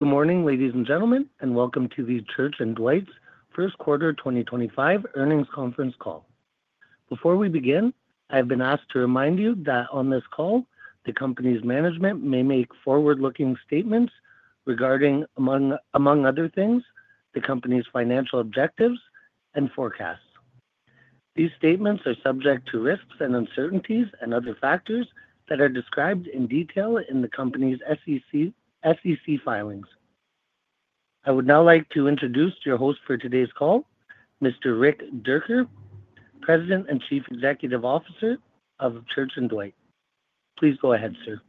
Good morning, ladies and gentlemen, and welcome to the Church & Dwight's First Quarter 2025 Earnings Conference Call. Before we begin, I have been asked to remind you that on this call, the company's management may make forward-looking statements regarding, among other things, the company's financial objectives and forecasts. These statements are subject to risks and uncertainties and other factors that are described in detail in the company's SEC filings. I would now like to introduce your host for today's call, Mr. Rick Dierker, President and Chief Executive Officer of Church & Dwight. Please go ahead, sir.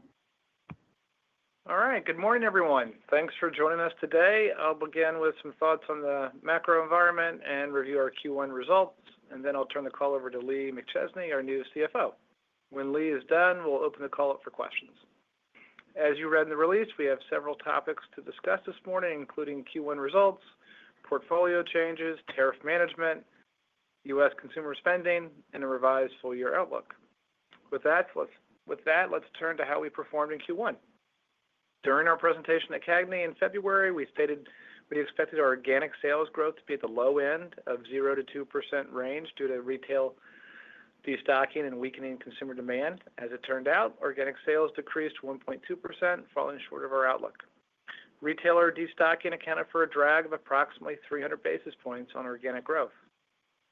All right. Good morning, everyone. Thanks for joining us today. I'll begin with some thoughts on the macro environment and review our Q1 results, and then I'll turn the call over to Lee Mcchesney, our new CFO. When Lee is done, we'll open the call up for questions. As you read in the release, we have several topics to discuss this morning, including Q1 results, portfolio changes, tariff management, U.S. consumer spending, and a revised full-year outlook. With that, let's turn to how we performed in Q1. During our presentation at Cagney in February, we stated we expected our organic sales growth to be at the low end of 0%-2% range due to retail destocking and weakening consumer demand. As it turned out, organic sales decreased 1.2%, falling short of our outlook. Retailer destocking accounted for a drag of approximately 300 basis points on organic growth.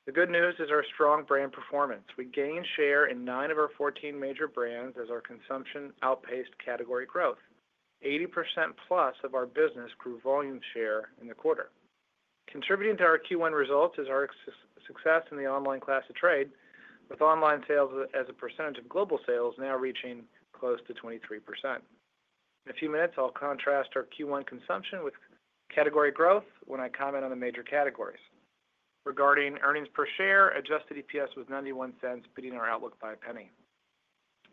The good news is our strong brand performance. We gained share in nine of our 14 major brands as our consumption outpaced category growth. 80% plus of our business grew volume share in the quarter. Contributing to our Q1 results is our success in the online class of trade, with online sales as a percentage of global sales now reaching close to 23%. In a few minutes, I'll contrast our Q1 consumption with category growth when I comment on the major categories. Regarding earnings per share, adjusted EPS was $0.91, beating our outlook by a penny.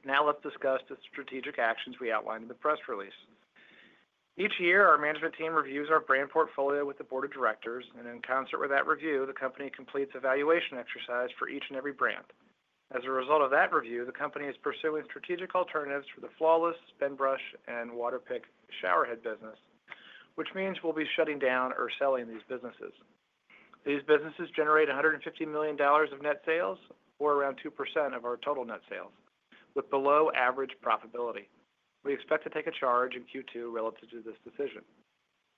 Now let's discuss the strategic actions we outlined in the press release. Each year, our management team reviews our brand portfolio with the board of directors, and in concert with that review, the company completes evaluation exercises for each and every brand. As a result of that review, the company is pursuing strategic alternatives for the Flawless, Spinbrush, and Waterpik showerhead business, which means we'll be shutting down or selling these businesses. These businesses generate $150 million of net sales, or around 2% of our total net sales, with below-average profitability. We expect to take a charge in Q2 relative to this decision.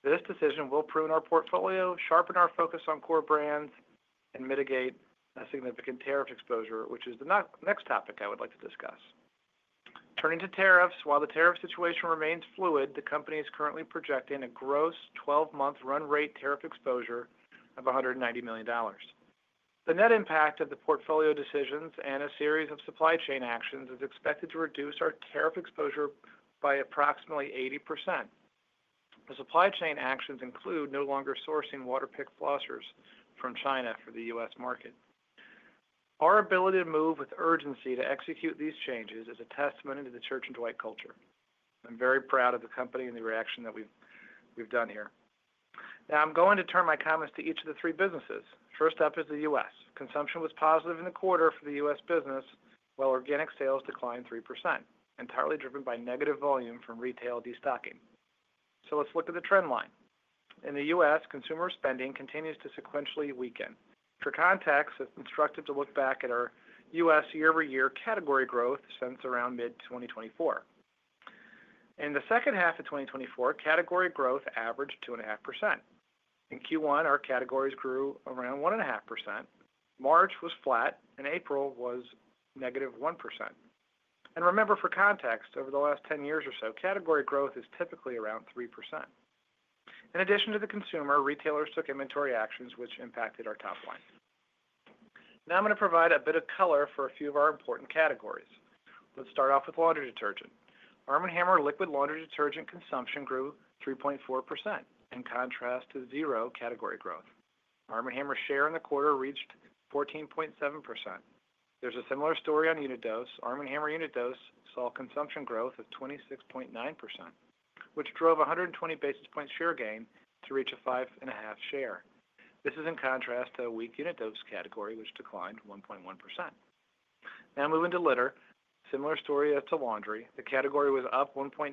This decision will prune our portfolio, sharpen our focus on core brands, and mitigate a significant tariff exposure, which is the next topic I would like to discuss. Turning to tariffs, while the tariff situation remains fluid, the company is currently projecting a gross 12-month run rate tariff exposure of $190 million. The net impact of the portfolio decisions and a series of supply chain actions is expected to reduce our tariff exposure by approximately 80%. The supply chain actions include no longer sourcing Waterpik flossers from China for the U.S. market. Our ability to move with urgency to execute these changes is a testament to the Church & Dwight culture. I'm very proud of the company and the reaction that we've done here. Now I'm going to turn my comments to each of the three businesses. First up is the U.S. Consumption was positive in the quarter for the U.S. business, while organic sales declined 3%, entirely driven by negative volume from retail destocking. Let's look at the trend line. In the U.S., consumer spending continues to sequentially weaken. For context, I've instructed to look back at our U.S. year-over-year category growth since around mid-2024. In the second half of 2024, category growth averaged 2.5%. In Q1, our categories grew around 1.5%. March was flat, and April was -1%. Remember, for context, over the last 10 years or so, category growth is typically around 3%. In addition to the consumer, retailers took inventory actions, which impacted our top line. Now I'm going to provide a bit of color for a few of our important categories. Let's start off with laundry detergent. Arm & Hammer liquid laundry detergent consumption grew 3.4%, in contrast to zero category growth. Arm & Hammer's share in the quarter reached 14.7%. There's a similar story on unit dose. Arm & Hammer unit dose saw consumption growth of 26.9%, which drove 120 basis points share gain to reach a 5.5 share. This is in contrast to a weak unit dose category, which declined 1.1%. Now moving to litter, similar story as to laundry. The category was up 1.9%,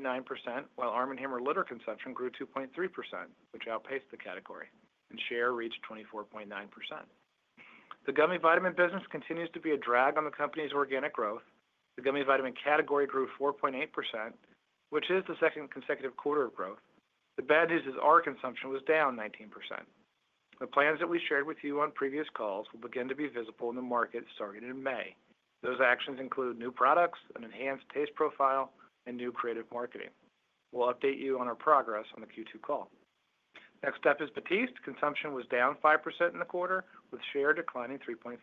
while Arm & Hammer litter consumption grew 2.3%, which outpaced the category, and share reached 24.9%. The gummy vitamin business continues to be a drag on the company's organic growth. The gummy vitamin category grew 4.8%, which is the second consecutive quarter of growth. The bad news is our consumption was down 19%. The plans that we shared with you on previous calls will begin to be visible in the market starting in May. Those actions include new products, an enhanced taste profile, and new creative marketing. We'll update you on our progress on the Q2 call. Next up is Batiste. Consumption was down 5% in the quarter, with share declining 3.4%.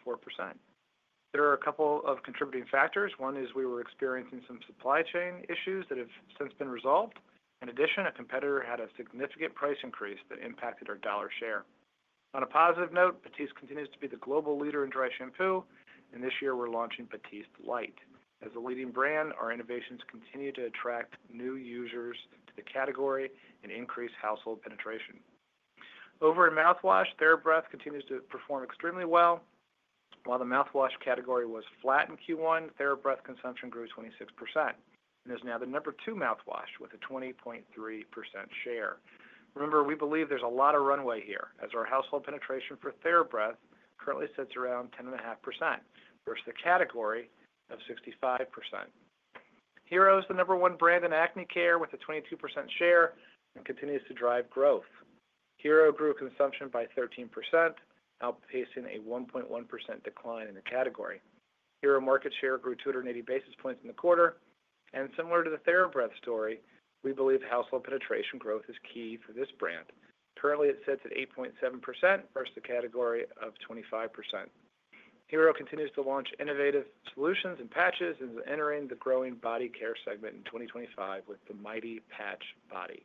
There are a couple of contributing factors. One is we were experiencing some supply chain issues that have since been resolved. In addition, a competitor had a significant price increase that impacted our dollar share. On a positive note, Batiste continues to be the global leader in dry shampoo, and this year we're launching Batiste Lite. As a leading brand, our innovations continue to attract new users to the category and increase household penetration. Over in mouthwash, TheraBreath continues to perform extremely well. While the mouthwash category was flat in Q1, TheraBreath consumption grew 26% and is now the number two mouthwash with a 20.3% share. Remember, we believe there's a lot of runway here, as our household penetration for TheraBreath currently sits around 10.5%, versus the category of 65%. Hero is the number one brand in acne care, with a 22% share and continues to drive growth. Hero grew consumption by 13%, outpacing a 1.1% decline in the category. Hero market share grew 280 basis points in the quarter. Similar to the TheraBreath story, we believe household penetration growth is key for this brand. Currently, it sits at 8.7%, versus the category at 25%. Hero continues to launch innovative solutions and patches and is entering the growing body care segment in 2025 with the Mighty Patch Body.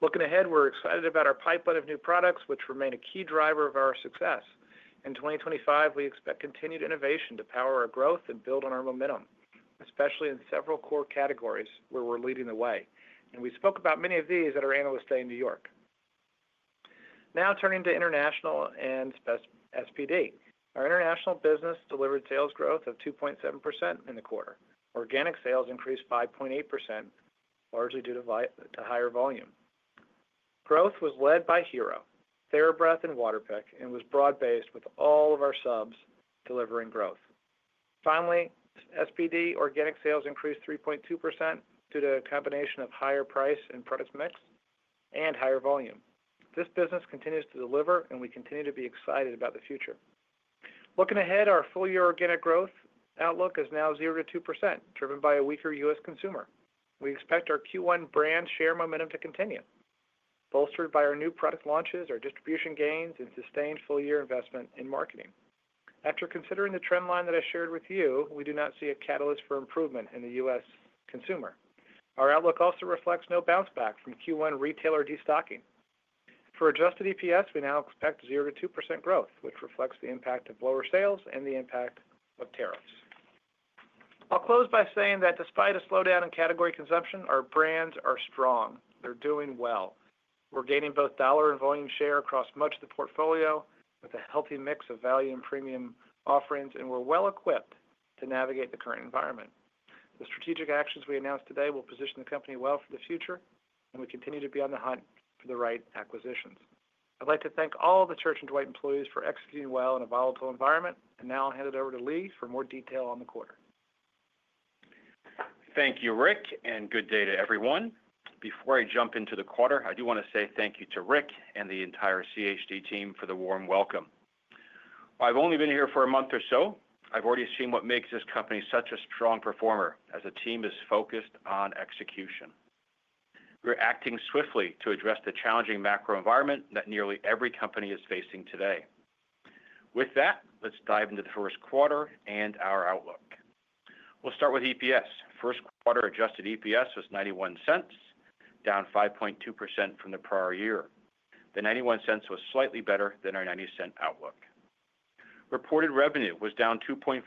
Looking ahead, we're excited about our pipeline of new products, which remain a key driver of our success. In 2025, we expect continued innovation to power our growth and build on our momentum, especially in several core categories where we're leading the way. We spoke about many of these at our analyst day in New York. Now turning to international and SPD. Our international business delivered sales growth of 2.7% in the quarter. Organic sales increased 5.8%, largely due to higher volume. Growth was led by Hero, TheraBreath, and Waterpik, and was broad-based, with all of our subs delivering growth. Finally, SPD organic sales increased 3.2% due to a combination of higher price and product mix and higher volume. This business continues to deliver, and we continue to be excited about the future. Looking ahead, our full-year organic growth outlook is now 0%-2%, driven by a weaker U.S. consumer. We expect our Q1 brand share momentum to continue, bolstered by our new product launches, our distribution gains, and sustained full-year investment in marketing. After considering the trend line that I shared with you, we do not see a catalyst for improvement in the U.S. consumer. Our outlook also reflects no bounce back from Q1 retailer destocking. For adjusted EPS, we now expect 0%-2% growth, which reflects the impact of lower sales and the impact of tariffs. I'll close by saying that despite a slowdown in category consumption, our brands are strong. They're doing well. We're gaining both dollar and volume share across much of the portfolio, with a healthy mix of value and premium offerings, and we're well equipped to navigate the current environment. The strategic actions we announced today will position the company well for the future, and we continue to be on the hunt for the right acquisitions. I'd like to thank all the Church & Dwight employees for executing well in a volatile environment. I will now hand it over to Lee for more detail on the quarter. Thank you, Rick, and good day to everyone. Before I jump into the quarter, I do want to say thank you to Rick and the entire Church & Dwight team for the warm welcome. I've only been here for a month or so. I've already seen what makes this company such a strong performer as a team is focused on execution. We're acting swiftly to address the challenging macro environment that nearly every company is facing today. With that, let's dive into the first quarter and our outlook. We'll start with EPS. First quarter adjusted EPS was $0.91, down 5.2% from the prior year. The $0.91 was slightly better than our $0.90 outlook. Reported revenue was down 2.4%,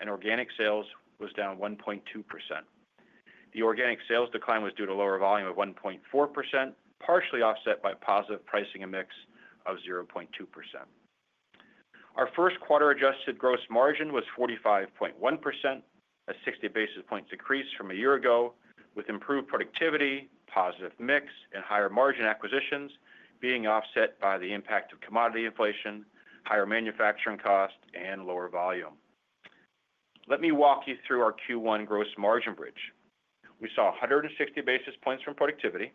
and organic sales was down 1.2%. The organic sales decline was due to lower volume of 1.4%, partially offset by positive pricing and mix of 0.2%. Our first quarter adjusted gross margin was 45.1%, a 60 basis point decrease from a year ago, with improved productivity, positive mix, and higher margin acquisitions being offset by the impact of commodity inflation, higher manufacturing cost, and lower volume. Let me walk you through our Q1 gross margin bridge. We saw 160 basis points from productivity,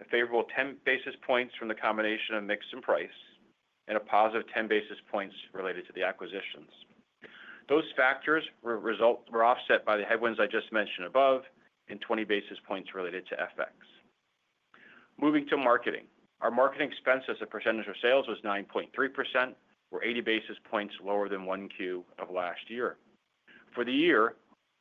a favorable 10 basis points from the combination of mix and price, and a positive 10 basis points related to the acquisitions. Those factors were offset by the headwinds I just mentioned above and 20 basis points related to FX. Moving to marketing, our marketing expenses as a percentage of sales was 9.3%, or 80 basis points lower than Q1 of last year. For the year,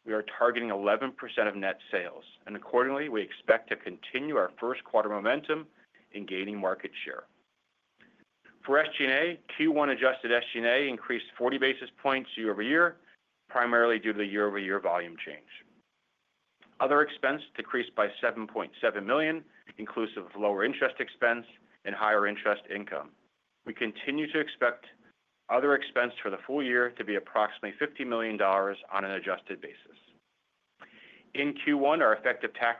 we are targeting 11% of net sales, and accordingly, we expect to continue our first quarter momentum in gaining market share. For SG&A, Q1 adjusted SG&A increased 40 basis points year-over-year, primarily due to the year-over-year volume change. Other expense decreased by $7.7 million, inclusive of lower interest expense and higher interest income. We continue to expect other expense for the full year to be approximately $50 million on an adjusted basis. In Q1, our effective tax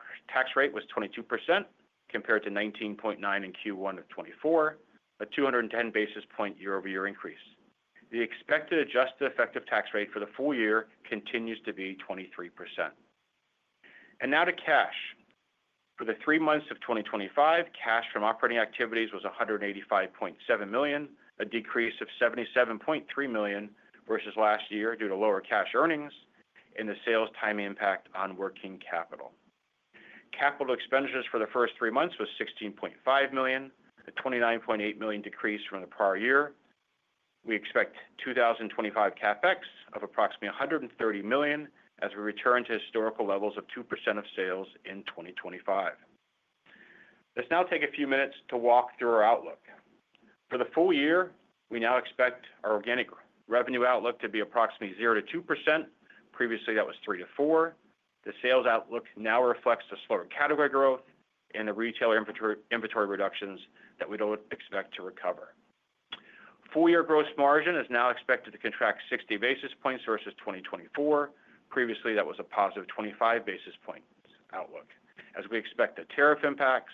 rate was 22%, compared to 19.9% in Q1 of 2024, a 210 basis point year-over-year increase. The expected adjusted effective tax rate for the full year continues to be 23%. Now to cash. For the three months of 2025, cash from operating activities was $185.7 million, a decrease of $77.3 million versus last year due to lower cash earnings and the sales time impact on working capital. Capital expenditures for the first three months was $16.5 million, a $29.8 million decrease from the prior year. We expect 2025 CapEx of approximately $130 million as we return to historical levels of 2% of sales in 2025. Let's now take a few minutes to walk through our outlook. For the full year, we now expect our organic revenue outlook to be approximately 0%-2%. Previously, that was 3%-4%. The sales outlook now reflects the slow category growth and the retailer inventory reductions that we do not expect to recover. Full-year gross margin is now expected to contract 60 basis points versus 2024. Previously, that was a positive 25 basis points outlook, as we expect the tariff impacts,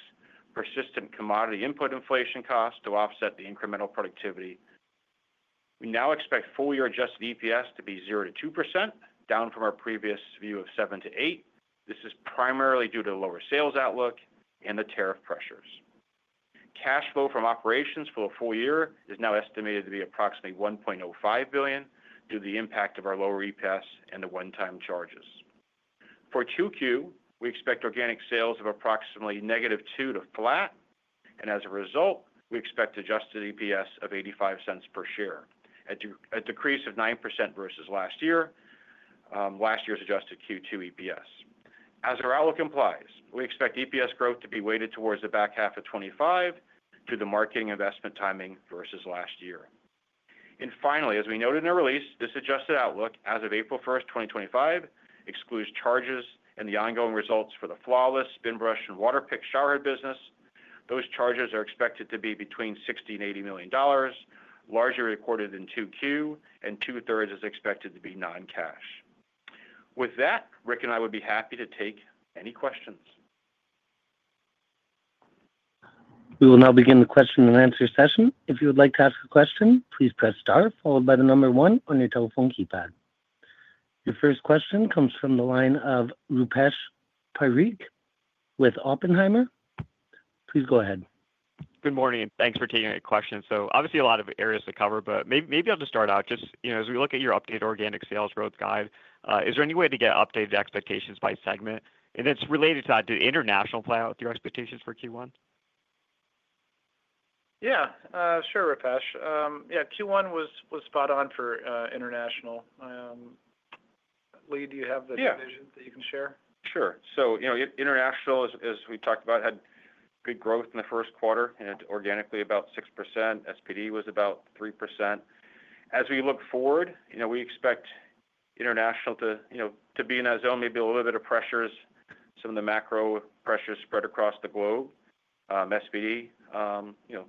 persistent commodity input inflation costs to offset the incremental productivity. We now expect full-year adjusted EPS to be 0%-2%, down from our previous view of 7%-8%. This is primarily due to lower sales outlook and the tariff pressures. Cash flow from operations for the full year is now estimated to be approximately $1.05 billion due to the impact of our lower EPS and the one-time charges. For Q2, we expect organic sales of approximately -2% to flat. As a result, we expect adjusted EPS of $0.85 per share, a decrease of 9% versus last year, last year's adjusted Q2 EPS. As our outlook implies, we expect EPS growth to be weighted towards the back half of 2025 due to the marketing investment timing versus last year. Finally, as we noted in our release, this adjusted outlook as of April 1, 2025, excludes charges and the ongoing results for the Flawless, Spinbrush, and Waterpik showerhead business. Those charges are expected to be between $60 million-$80 million, largely recorded in Q2, and two-thirds is expected to be non-cash. With that, Rick and I would be happy to take any questions. We will now begin the question and answer session. If you would like to ask a question, please press star followed by the number one on your telephone keypad. Your first question comes from the line of Rupesh Parikh with Oppenheimer. Please go ahead. Good morning. Thanks for taking a question. Obviously a lot of areas to cover, but maybe I'll just start out. Just, you know, as we look at your updated organic sales growth guide, is there any way to get updated expectations by segment? And related to that, to international, how does that play out with your expectations for Q1? Yeah, sure, Rupesh. Yeah, Q1 was spot on for international. Lee, do you have the vision that you can share? Sure. So, you know, international, as we talked about, had good growth in the first quarter. Organically, about 6%. SPD was about 3%. As we look forward, you know, we expect international to, you know, to be in that zone, maybe a little bit of pressures, some of the macro pressures spread across the globe. SPD, you know,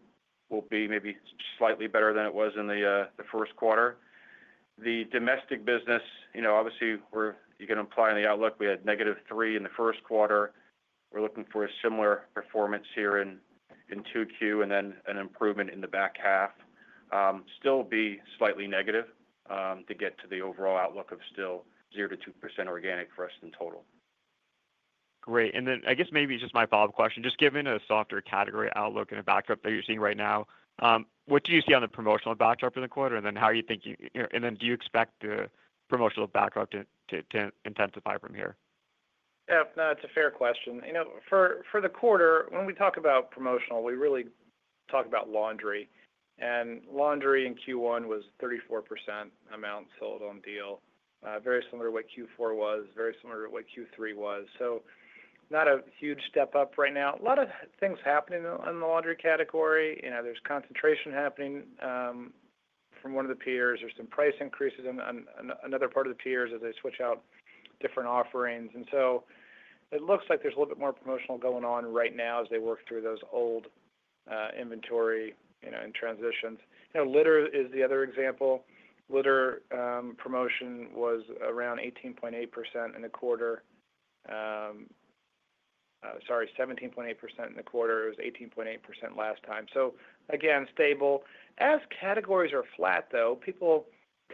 will be maybe slightly better than it was in the first quarter. The domestic business, you know, obviously we're, you can imply in the outlook, we had negative 3% in the first quarter. We're looking for a similar performance here in QQ and then an improvement in the back half. Still be slightly negative to get to the overall outlook of still 0%-2% organic for us in total. Great. I guess maybe it's just my follow-up question. Just given a softer category outlook and a backdrop that you're seeing right now, what do you see on the promotional backdrop for the quarter? How do you think, you know, and do you expect the promotional backdrop to intensify from here? Yeah, no, it's a fair question. You know, for the quarter, when we talk about promotional, we really talk about laundry. And laundry in Q1 was 34% amount sold on deal, very similar to what Q4 was, very similar to what Q3 was. Not a huge step up right now. A lot of things happening in the laundry category. You know, there's concentration happening from one of the peers. There's some price increases in another part of the peers as they switch out different offerings. It looks like there's a little bit more promotional going on right now as they work through those old inventory, you know, and transitions. You know, litter is the other example. Litter promotion was around 17.8% in the quarter. Sorry, 17.8% in the quarter. It was 18.8% last time. Again, stable. As categories are flat, though, people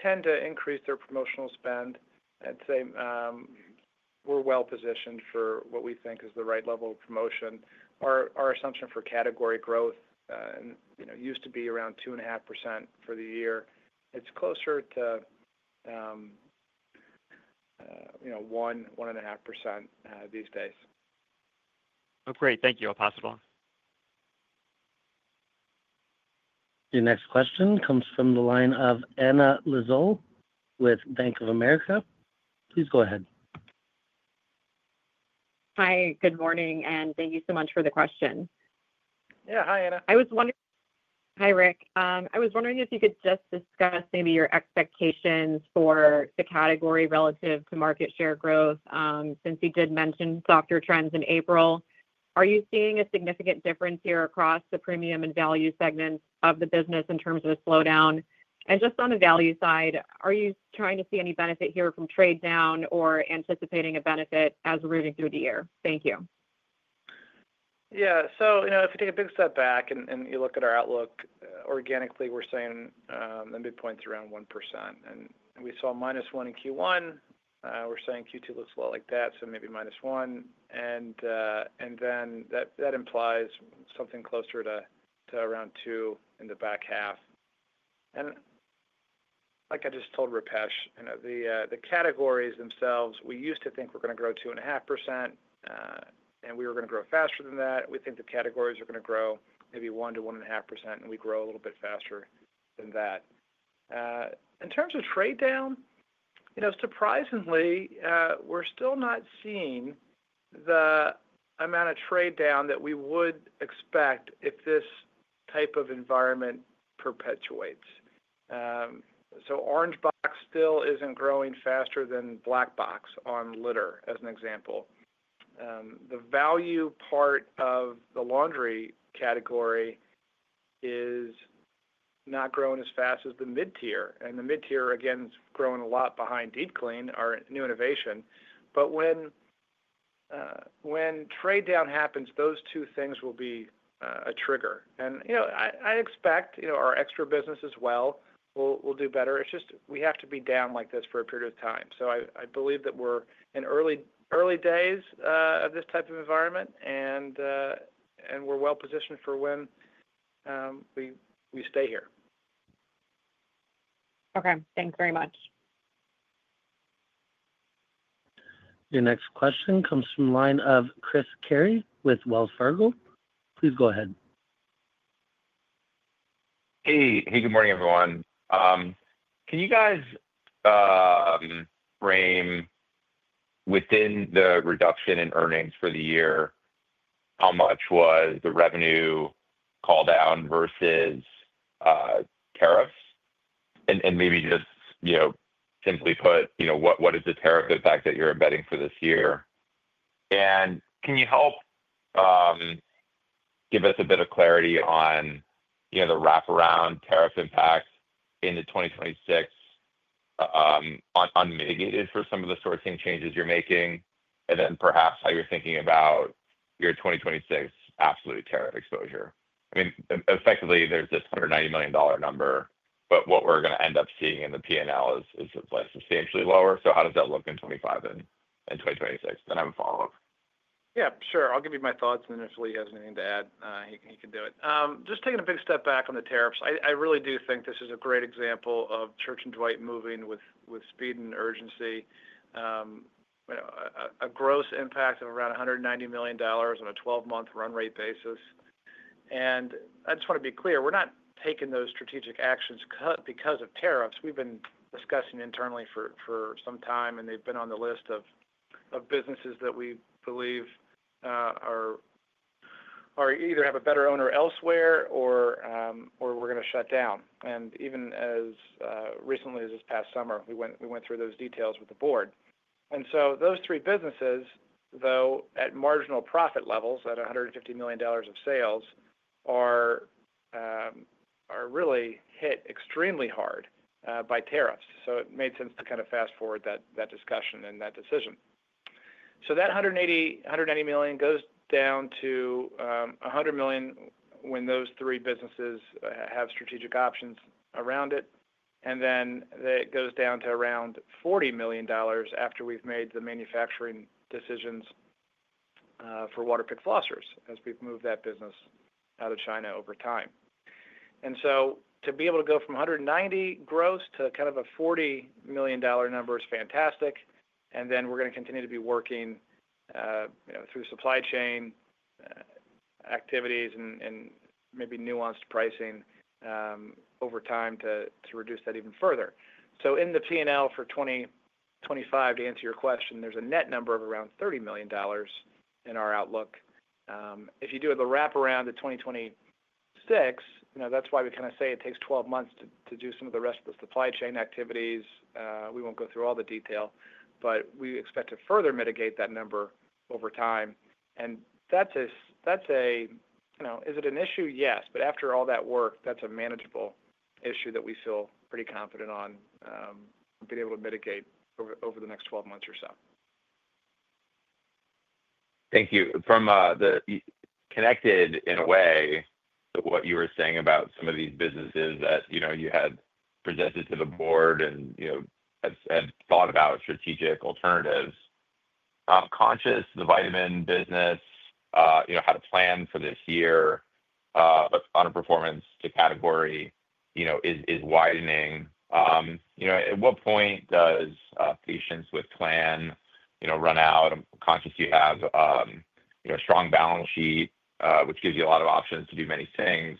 tend to increase their promotional spend and say, "We're well positioned for what we think is the right level of promotion." Our assumption for category growth, you know, used to be around 2.5% for the year. It's closer to, you know, 1%-1.5% these days. Oh, great. Thank you. I'll pass it on. Your next question comes from the line of Anna Lizzul with Bank of America. Please go ahead. Hi, good morning, and thank you so much for the question. Yeah, hi, Anna. I was wondering, hi, Rick. I was wondering if you could just discuss maybe your expectations for the category relative to market share growth since you did mention softer trends in April. Are you seeing a significant difference here across the premium and value segments of the business in terms of a slowdown? Just on the value side, are you trying to see any benefit here from trade down or anticipating a benefit as we're moving through the year? Thank you. Yeah. You know, if you take a big step back and you look at our outlook, organically, we're saying the midpoint's around 1%. We saw -1% in Q1. We're saying Q2 looks a lot like that, so maybe -1%. That implies something closer to around 2% in the back half. Like I just told Rupesh, you know, the categories themselves, we used to think were going to grow 2.5%, and we were going to grow faster than that. We think the categories are going to grow maybe 1%-1.5%, and we grow a little bit faster than that. In terms of trade down, you know, surprisingly, we're still not seeing the amount of trade down that we would expect if this type of environment perpetuates. Orange Box still isn't growing faster than Black Box on litter, as an example. The value part of the laundry category is not growing as fast as the mid-tier. The mid-tier, again, is growing a lot behind Deep Clean, our new innovation. When trade down happens, those two things will be a trigger. You know, I expect, you know, our Extra business as well will do better. It's just we have to be down like this for a period of time. I believe that we're in early days of this type of environment, and we're well positioned for when we stay here. Okay. Thanks very much. Your next question comes from the line of Chris Carey with Wells Fargo. Please go ahead. Hey, hey, good morning, everyone. Can you guys frame within the reduction in earnings for the year how much was the revenue call down versus tariffs? And maybe just, you know, simply put, you know, what is the tariff impact that you're embedding for this year? And can you help give us a bit of clarity on, you know, the wraparound tariff impact in the 2026 on mitigated for some of the sourcing changes you're making? And then perhaps how you're thinking about your 2026 absolute tariff exposure. I mean, effectively, there's this $190 million number, but what we're going to end up seeing in the P&L is like substantially lower. So how does that look in 2025 and 2026? Then I have a follow-up. Yeah, sure. I'll give you my thoughts. If Lee has anything to add, he can do it. Just taking a big step back on the tariffs, I really do think this is a great example of Church & Dwight moving with speed and urgency. You know, a gross impact of around $190 million on a 12-month run rate basis. I just want to be clear, we're not taking those strategic actions because of tariffs. We've been discussing internally for some time, and they've been on the list of businesses that we believe either have a better owner elsewhere or we're going to shut down. Even as recently as this past summer, we went through those details with the board. Those three businesses, though at marginal profit levels at $150 million of sales, are really hit extremely hard by tariffs. It made sense to kind of fast forward that discussion and that decision. That $180 million goes down to $100 million when those three businesses have strategic options around it. It goes down to around $40 million after we have made the manufacturing decisions for Waterpik flossers as we have moved that business out of China over time. To be able to go from $190 gross to kind of a $40 million number is fantastic. We are going to continue to be working, you know, through supply chain activities and maybe nuanced pricing over time to reduce that even further. In the P&L for 2025, to answer your question, there is a net number of around $30 million in our outlook. If you do the wraparound to 2026, you know, that's why we kind of say it takes 12 months to do some of the rest of the supply chain activities. We won't go through all the detail, but we expect to further mitigate that number over time. You know, is it an issue? Yes. After all that work, that's a manageable issue that we feel pretty confident on being able to mitigate over the next 12 months or so. Thank you. From the connected in a way to what you were saying about some of these businesses that, you know, you had presented to the board and, you know, had thought about strategic alternatives, conscious of the vitamin business, you know, how to plan for this year, but on a performance to category, you know, is widening. You know, at what point does patience with plan, you know, run out? I'm conscious you have, you know, a strong balance sheet, which gives you a lot of options to do many things.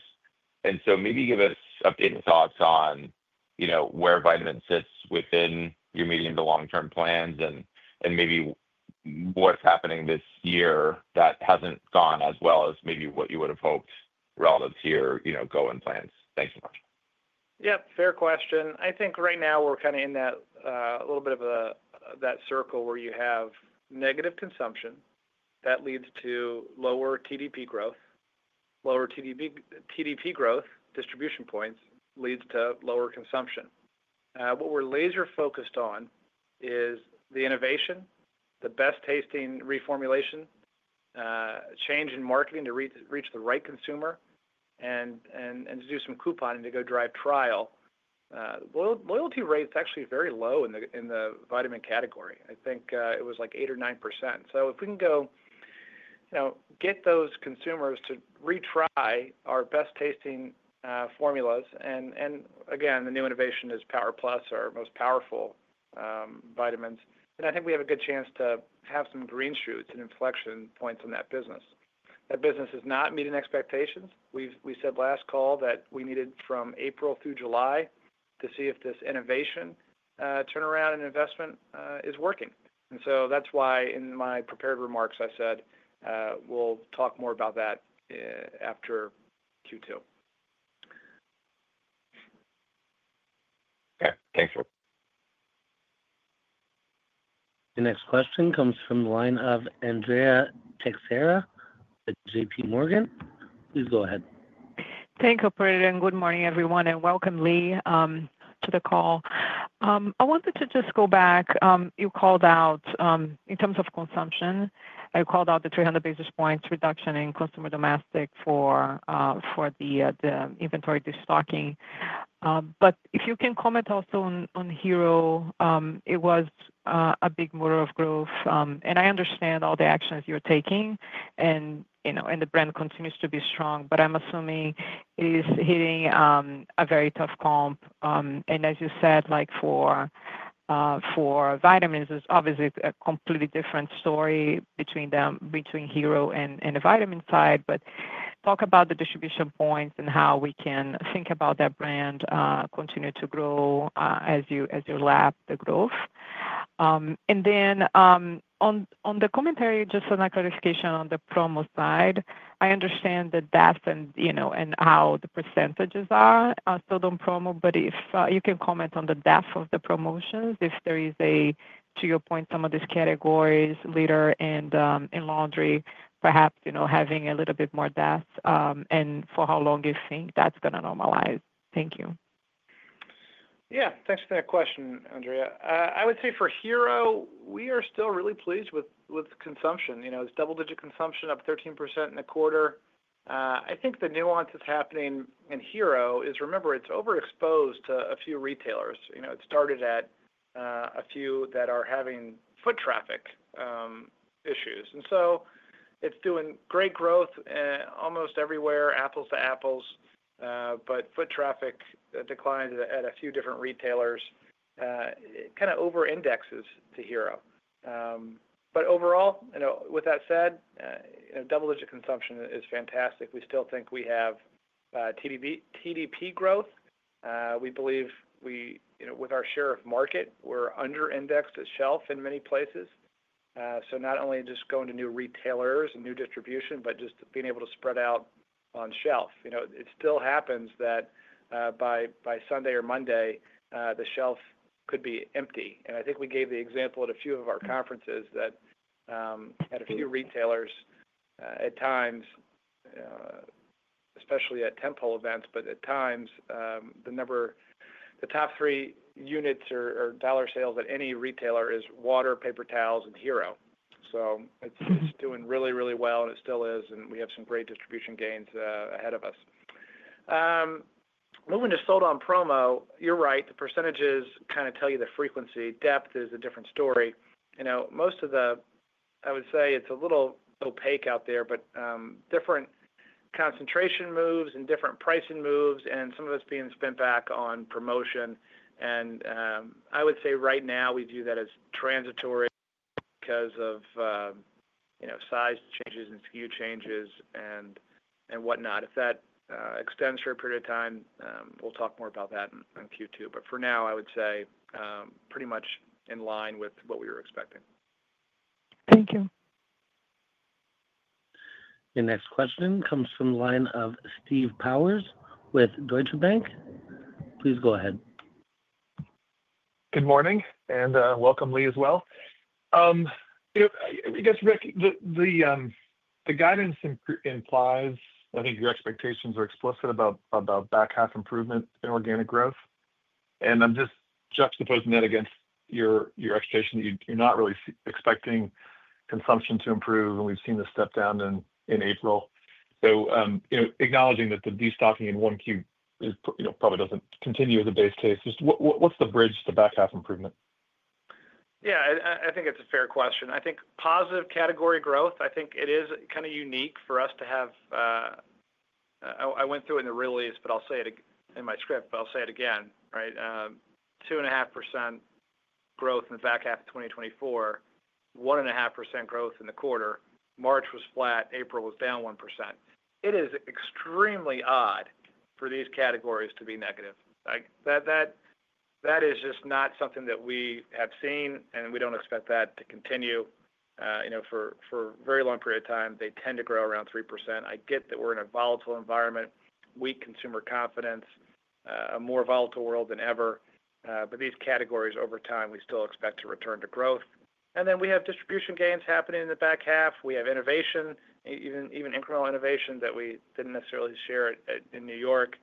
Maybe give us updated thoughts on, you know, where vitamin sits within your medium to long-term plans and maybe what's happening this year that hasn't gone as well as maybe what you would have hoped relative to your, you know, going plans. Thanks so much. Yep. Fair question. I think right now we're kind of in that a little bit of that circle where you have negative consumption that leads to lower TDP growth. Lower TDP growth distribution points leads to lower consumption. What we're laser-focused on is the innovation, the best-tasting reformulation, change in marketing to reach the right consumer, and to do some couponing to go drive trial. Loyalty rate's actually very low in the vitamin category. I think it was like 8% or 9%. If we can go, you know, get those consumers to retry our best-tasting formulas. Again, the new innovation is Power Plus, our most powerful vitamins. I think we have a good chance to have some green shoots and inflection points on that business. That business is not meeting expectations. We said last call that we needed from April through July to see if this innovation turnaround and investment is working. That is why in my prepared remarks I said we'll talk more about that after Q2. Okay. Thanks, Rick. Your next question comes from the line of Andrea Teixeira at JPMorgan. Please go ahead. Thank you, Bruno. Good morning, everyone. Welcome, Lee, to the call. I wanted to just go back. You called out in terms of consumption, you called out the 300 basis points reduction in consumer domestic for the inventory destocking. If you can comment also on Hero, it was a big motor of growth. I understand all the actions you're taking, and, you know, the brand continues to be strong, but I'm assuming it is hitting a very tough comp. As you said, like for vitamins, it's obviously a completely different story between Hero and the vitamin side. Talk about the distribution points and how we can think about that brand continue to grow as you lap the growth. On the commentary, just a clarification on the promo side, I understand the depth and, you know, and how the percentages are still on promo. If you can comment on the depth of the promotions, if there is a, to your point, some of these categories, litter and laundry, perhaps, you know, having a little bit more depth and for how long you think that's going to normalize. Thank you. Yeah. Thanks for that question, Andrea. I would say for Hero, we are still really pleased with consumption. You know, it's double-digit consumption up 13% in the quarter. I think the nuance that's happening in Hero is, remember, it's overexposed to a few retailers. You know, it started at a few that are having foot traffic issues. It's doing great growth almost everywhere, apples to apples, but foot traffic declines at a few different retailers. It kind of over-indexes to Hero. Overall, you know, with that said, you know, double-digit consumption is fantastic. We still think we have TDP growth. We believe we, you know, with our share of market, we're under-indexed at shelf in many places. Not only just going to new retailers and new distribution, but just being able to spread out on shelf. You know, it still happens that by Sunday or Monday, the shelf could be empty. I think we gave the example at a few of our conferences that at a few retailers at times, especially at Temple events, at times the number, the top three units or dollar sales at any retailer is water, paper towels, and Hero. It is doing really, really well, and it still is. We have some great distribution gains ahead of us. Moving to sold on promo, you're right. The percentages kind of tell you the frequency. Depth is a different story. You know, most of the, I would say it's a little opaque out there, but different concentration moves and different pricing moves and some of it is being spent back on promotion. I would say right now we view that as transitory because of, you know, size changes and SKU changes and whatnot. If that extends for a period of time, we'll talk more about that on Q2. For now, I would say pretty much in line with what we were expecting. Thank you. Your next question comes from the line of Steve Powers with Deutsche Bank. Please go ahead. Good morning. Welcome, Lee, as well. You know, I guess, Rick, the guidance implies I think your expectations are explicit about back half improvement in organic growth. I'm just juxtaposing that against your expectation that you're not really expecting consumption to improve, and we've seen the step down in April. You know, acknowledging that the destocking in Q1 probably does not continue as a base case, just what's the bridge to back half improvement? Yeah. I think it's a fair question. I think positive category growth, I think it is kind of unique for us to have. I went through it in the release, but I'll say it in my script, but I'll say it again, right? 2.5% growth in the back half of 2024, 1.5% growth in the quarter. March was flat. April was down 1%. It is extremely odd for these categories to be negative. That is just not something that we have seen, and we don't expect that to continue, you know, for a very long period of time. They tend to grow around 3%. I get that we're in a volatile environment, weak consumer confidence, a more volatile world than ever. These categories over time, we still expect to return to growth. We have distribution gains happening in the back half. We have innovation, even incremental innovation that we did not necessarily share in New York.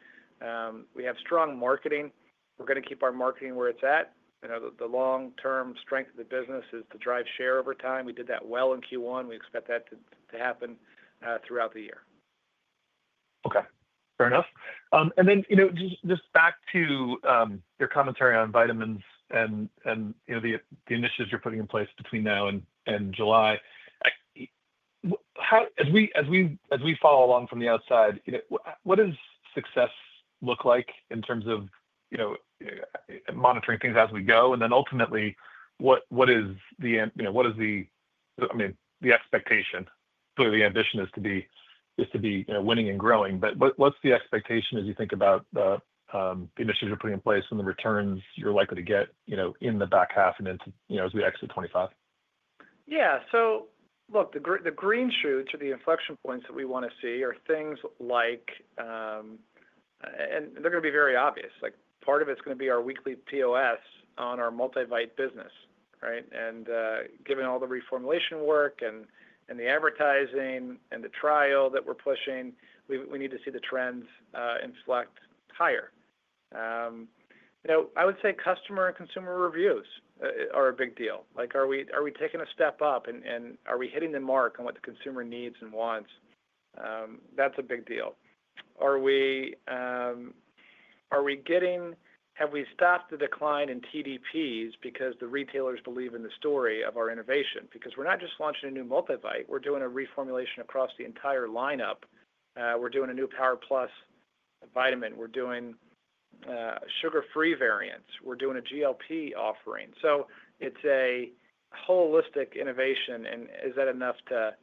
We have strong marketing. We are going to keep our marketing where it is at. You know, the long-term strength of the business is to drive share over time. We did that well in Q1. We expect that to happen throughout the year. Okay. Fair enough. And then, you know, just back to your commentary on vitamins and, you know, the initiatives you're putting in place between now and July, as we follow along from the outside, you know, what does success look like in terms of, you know, monitoring things as we go? And then ultimately, what is the, you know, what is the, I mean, the expectation? Clearly, the ambition is to be winning and growing. But what's the expectation as you think about the initiatives you're putting in place and the returns you're likely to get, you know, in the back half and into, you know, as we exit 2025? Yeah. Look, the green shoots or the inflection points that we want to see are things like, and they're going to be very obvious. Part of it's going to be our weekly POS on our multi-vite business, right? Given all the reformulation work and the advertising and the trial that we're pushing, we need to see the trends inflect higher. You know, I would say customer and consumer reviews are a big deal. Like, are we taking a step up, and are we hitting the mark on what the consumer needs and wants? That's a big deal. Are we getting, have we stopped the decline in TDPs because the retailers believe in the story of our innovation? Because we're not just launching a new multi-vite. We're doing a reformulation across the entire lineup. We're doing a new Power Plus vitamin. We're doing sugar-free variants. We're doing a GLP offering. It is a holistic innovation. Is that enough to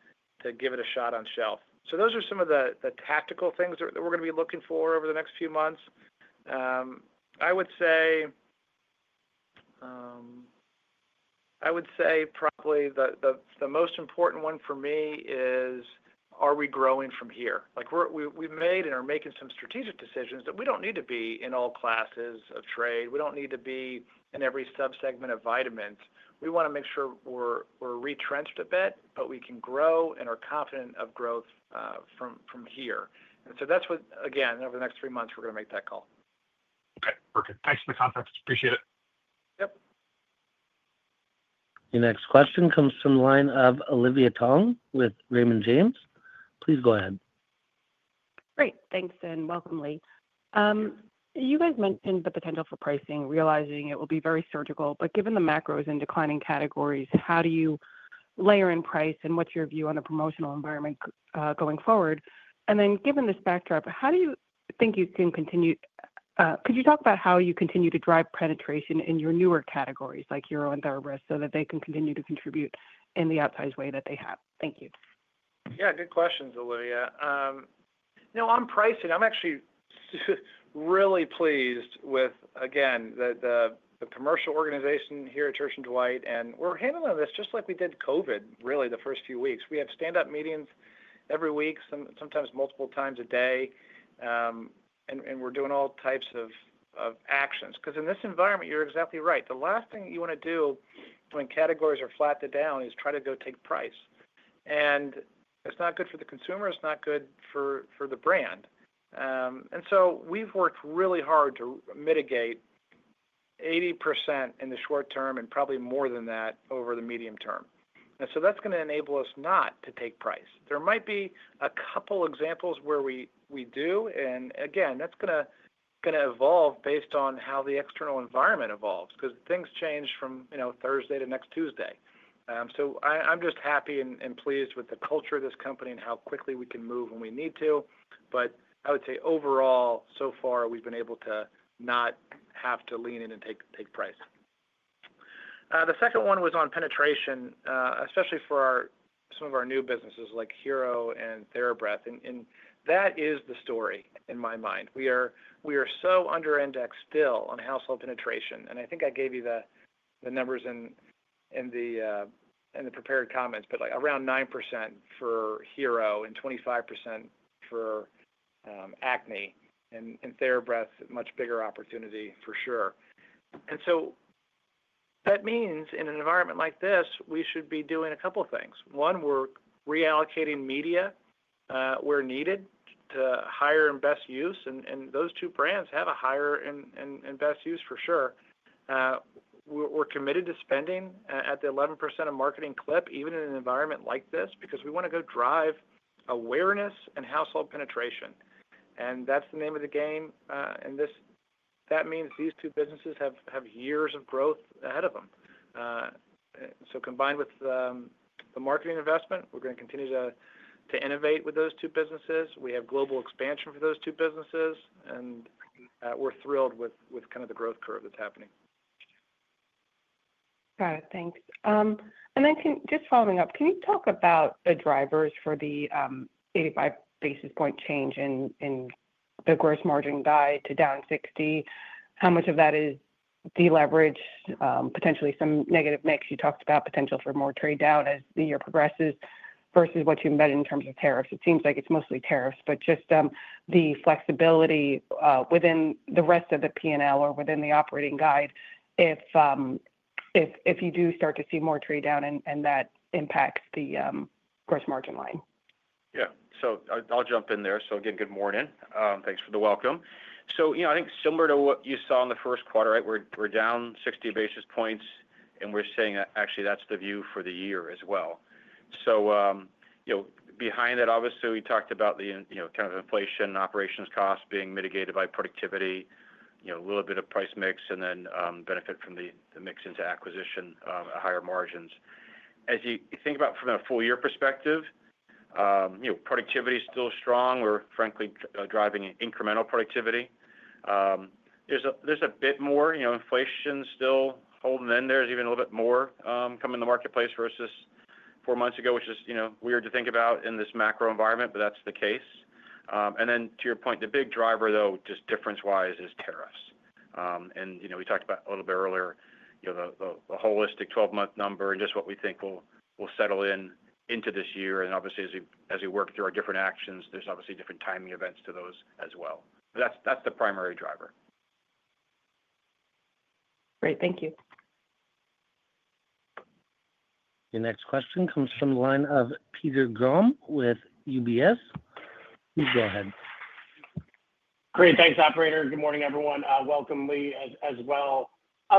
give it a shot on shelf? Those are some of the tactical things that we're going to be looking for over the next few months. I would say probably the most important one for me is, are we growing from here? We've made and are making some strategic decisions that we don't need to be in all classes of trade. We don't need to be in every subsegment of vitamins. We want to make sure we're retrenched a bit, but we can grow and are confident of growth from here. That is what, again, over the next three months, we're going to make that call. Okay. Perfect. Thanks for the context. Appreciate it. Yep. Your next question comes from the line of Olivia Tong with Raymond James. Please go ahead. Great. Thanks, and welcome, Lee. You guys mentioned the potential for pricing, realizing it will be very surgical. Given the macros and declining categories, how do you layer in price and what's your view on the promotional environment going forward? Given the spec drop, how do you think you can continue? Could you talk about how you continue to drive penetration in your newer categories, like Hero and TheraBreath, so that they can continue to contribute in the outsized way that they have? Thank you. Yeah. Good questions, Olivia. You know, on pricing, I'm actually really pleased with, again, the commercial organization here at Church & Dwight. We're handling this just like we did COVID, really, the first few weeks. We have stand-up meetings every week, sometimes multiple times a day. We're doing all types of actions. Because in this environment, you're exactly right. The last thing you want to do when categories are flat and down is try to go take price. It's not good for the consumer. It's not good for the brand. We've worked really hard to mitigate 80% in the short term and probably more than that over the medium term. That's going to enable us not to take price. There might be a couple of examples where we do. That is going to evolve based on how the external environment evolves because things change from, you know, Thursday to next Tuesday. I am just happy and pleased with the culture of this company and how quickly we can move when we need to. I would say overall, so far, we have been able to not have to lean in and take price. The second one was on penetration, especially for some of our new businesses like Hero and TheraBreath. That is the story in my mind. We are so under-indexed still on household penetration. I think I gave you the numbers in the prepared comments, but like around 9% for Hero and 25% for acne. TheraBreath, much bigger opportunity for sure. That means in an environment like this, we should be doing a couple of things. One, we're reallocating media where needed to higher and best use. Those two brands have a higher and best use for sure. We're committed to spending at the 11% of marketing clip, even in an environment like this, because we want to go drive awareness and household penetration. That's the name of the game. That means these two businesses have years of growth ahead of them. Combined with the marketing investment, we're going to continue to innovate with those two businesses. We have global expansion for those two businesses. We're thrilled with kind of the growth curve that's happening. Got it. Thanks. Just following up, can you talk about the drivers for the 85 basis point change in the gross margin guide to down 60? How much of that is deleverage, potentially some negative mix? You talked about potential for more trade down as the year progresses versus what you meant in terms of tariffs. It seems like it is mostly tariffs, but just the flexibility within the rest of the P&L or within the operating guide if you do start to see more trade down and that impacts the gross margin line. Yeah. I'll jump in there. Again, good morning. Thanks for the welcome. I think similar to what you saw in the first quarter, right? We're down 60 basis points. We're saying actually that's the view for the year as well. Behind that, obviously, we talked about the kind of inflation and operations costs being mitigated by productivity, a little bit of price mix, and then benefit from the mix into acquisition, higher margins. As you think about from a full-year perspective, productivity is still strong. We're, frankly, driving incremental productivity. There's a bit more inflation still holding in there. There's even a little bit more coming in the marketplace versus four months ago, which is weird to think about in this macro environment, but that's the case. To your point, the big driver, though, just difference-wise is tariffs. You know, we talked about a little bit earlier, you know, the holistic 12-month number and just what we think will settle in into this year. Obviously, as we work through our different actions, there are obviously different timing events to those as well. That is the primary driver. Great. Thank you. Your next question comes from the line of Peter Grom with UBS. Please go ahead. Great. Thanks, operator. Good morning, everyone. Welcome, Lee, as well.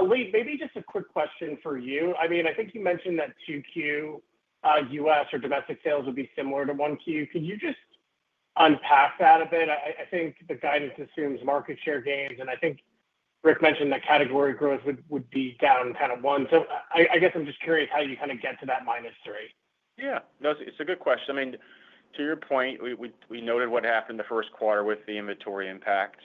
Lee, maybe just a quick question for you. I mean, I think you mentioned that Q2 U.S. or domestic sales would be similar to Q1. Could you just unpack that a bit? I think the guidance assumes market share gains. I think Rick mentioned that category growth would be down kind of one. I guess I'm just curious how you kind of get to that minus three. Yeah. No, it's a good question. I mean, to your point, we noted what happened the first quarter with the inventory impact.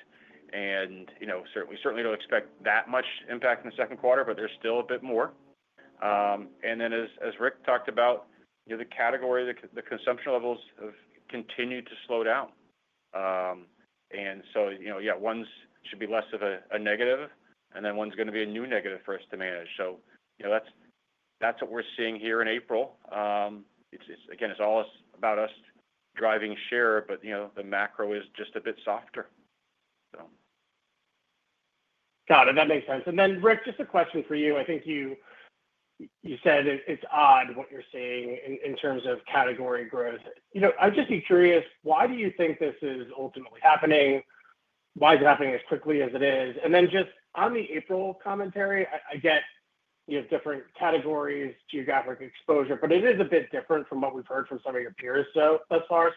You know, we certainly don't expect that much impact in the second quarter, but there's still a bit more. As Rick talked about, the category, the consumption levels have continued to slow down. You know, one should be less of a negative, and then one's going to be a new negative for us to manage. You know, that's what we're seeing here in April. Again, it's all about us driving share, but the macro is just a bit softer, so. Got it. That makes sense. Rick, just a question for you. I think you said it's odd what you're seeing in terms of category growth. You know, I'd just be curious, why do you think this is ultimately happening? Why is it happening as quickly as it is? Just on the April commentary, I get you have different categories, geographic exposure, but it is a bit different from what we've heard from some of your peers thus far.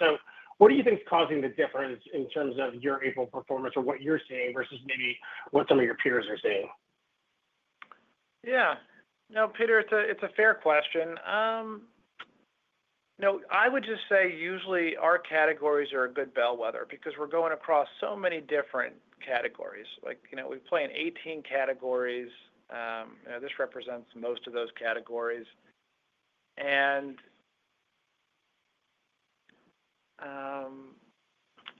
What do you think is causing the difference in terms of your April performance or what you're seeing versus maybe what some of your peers are seeing? Yeah. No, Peter, it's a fair question. No, I would just say usually our categories are a good bellwether because we're going across so many different categories. Like, you know, we play in 18 categories. You know, this represents most of those categories.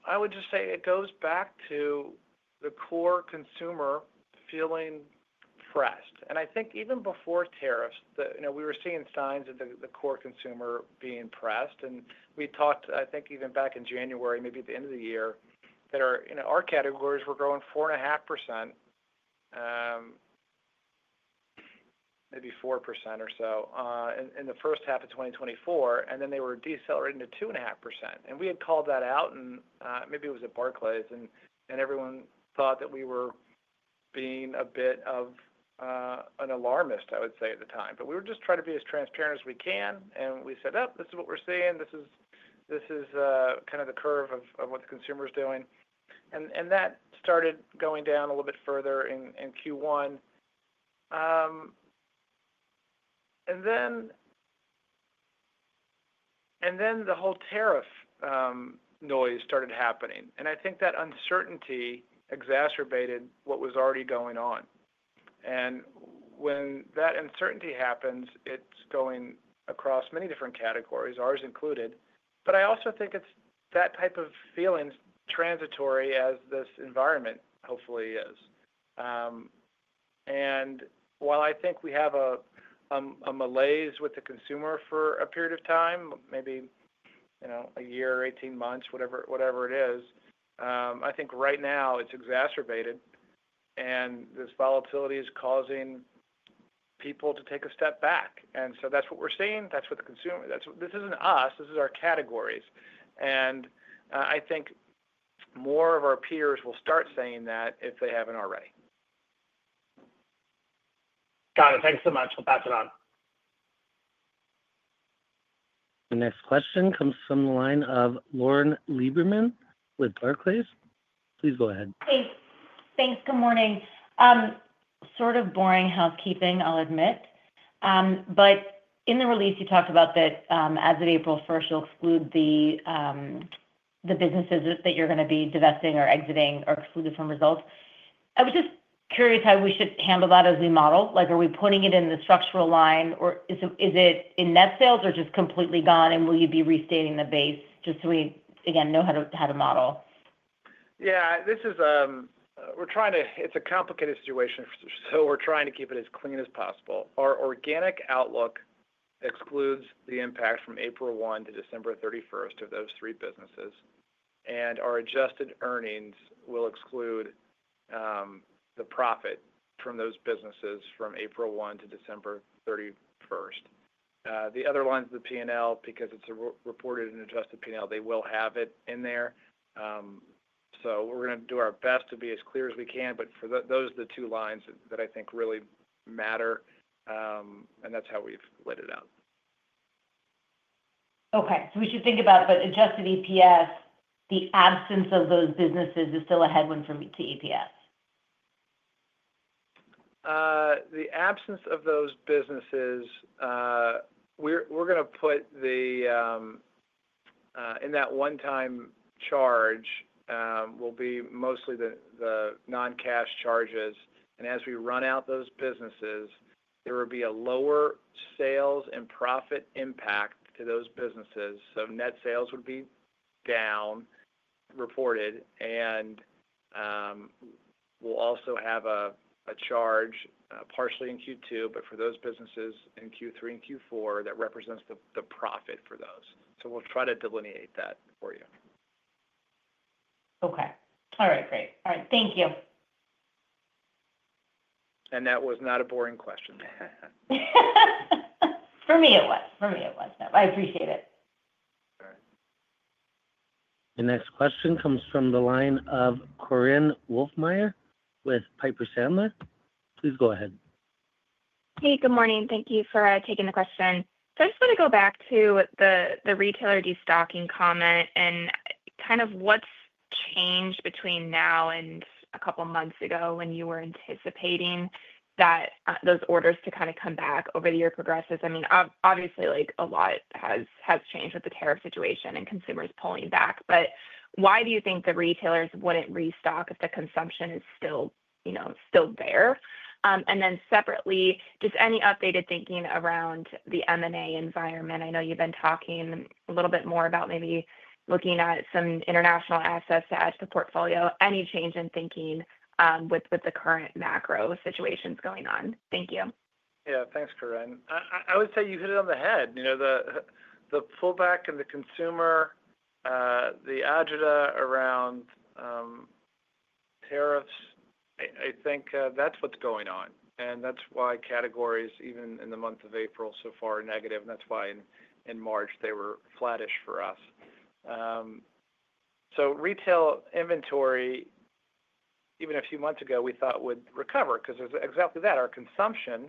I would just say it goes back to the core consumer feeling pressed. I think even before tariffs, you know, we were seeing signs of the core consumer being pressed. We talked, I think, even back in January, maybe at the end of the year, that our categories were growing 4.5%, maybe 4% or so in the first half of 2024. They were decelerating to 2.5%. We had called that out, and maybe it was at Barclays, and everyone thought that we were being a bit of an alarmist, I would say, at the time. We were just trying to be as transparent as we can. We said, "Oh, this is what we're seeing. This is kind of the curve of what the consumer is doing." That started going down a little bit further in Q1. The whole tariff noise started happening. I think that uncertainty exacerbated what was already going on. When that uncertainty happens, it is going across many different categories, ours included. I also think it is that type of feeling, transitory as this environment hopefully is. While I think we have a malaise with the consumer for a period of time, maybe a year, 18 months, whatever it is, I think right now it is exacerbated. This volatility is causing people to take a step back. That is what we are seeing. That is what the consumer—this is not us. This is our categories. I think more of our peers will start saying that if they have not already. Got it. Thanks so much. I'll pass it on. The next question comes from the line of Lauren Lieberman with Barclays. Please go ahead. Thanks. Good morning. Sort of boring housekeeping, I'll admit. In the release, you talked about that as of April 1, you'll exclude the businesses that you're going to be divesting or exiting or excluded from results. I was just curious how we should handle that as we model. Like, are we putting it in the structural line, or is it in net sales or just completely gone? Will you be restating the base just so we, again, know how to model? Yeah. This is—we're trying to—it's a complicated situation. We're trying to keep it as clean as possible. Our organic outlook excludes the impact from April 1-December 31 of those three businesses. Our adjusted earnings will exclude the profit from those businesses from April 1-December 31. The other lines of the P&L, because it's a reported and adjusted P&L, they will have it in there. We're going to do our best to be as clear as we can. Those are the two lines that I think really matter. That's how we've laid it out. Okay. We should think about, for adjusted EPS, the absence of those businesses is still a headwind for me to EPS? The absence of those businesses, we're going to put the—in that one-time charge will be mostly the non-cash charges. As we run out those businesses, there will be a lower sales and profit impact to those businesses. Net sales would be down reported. We'll also have a charge partially in Q2, but for those businesses in Q3 and Q4 that represents the profit for those. We'll try to delineate that for you. Okay. All right. Great. All right. Thank you. That was not a boring question. For me, it was. No, I appreciate it. All right. The next question comes from the line of Korinne Wolfmeyer with Piper Sandler. Please go ahead. Hey, good morning. Thank you for taking the question. I just want to go back to the retailer destocking comment and kind of what's changed between now and a couple of months ago when you were anticipating that those orders to kind of come back over the year progresses. I mean, obviously, like a lot has changed with the tariff situation and consumers pulling back. Why do you think the retailers wouldn't restock if the consumption is still, you know, still there? Then separately, just any updated thinking around the M&A environment? I know you've been talking a little bit more about maybe looking at some international assets to add to the portfolio. Any change in thinking with the current macro situations going on? Thank you. Yeah. Thanks, Korinne. I would say you hit it on the head. You know, the pullback in the consumer, the agita around tariffs, I think that's what's going on. That is why categories, even in the month of April so far, are negative. That is why in March they were flattish for us. Retail inventory, even a few months ago, we thought would recover because it was exactly that. Our consumption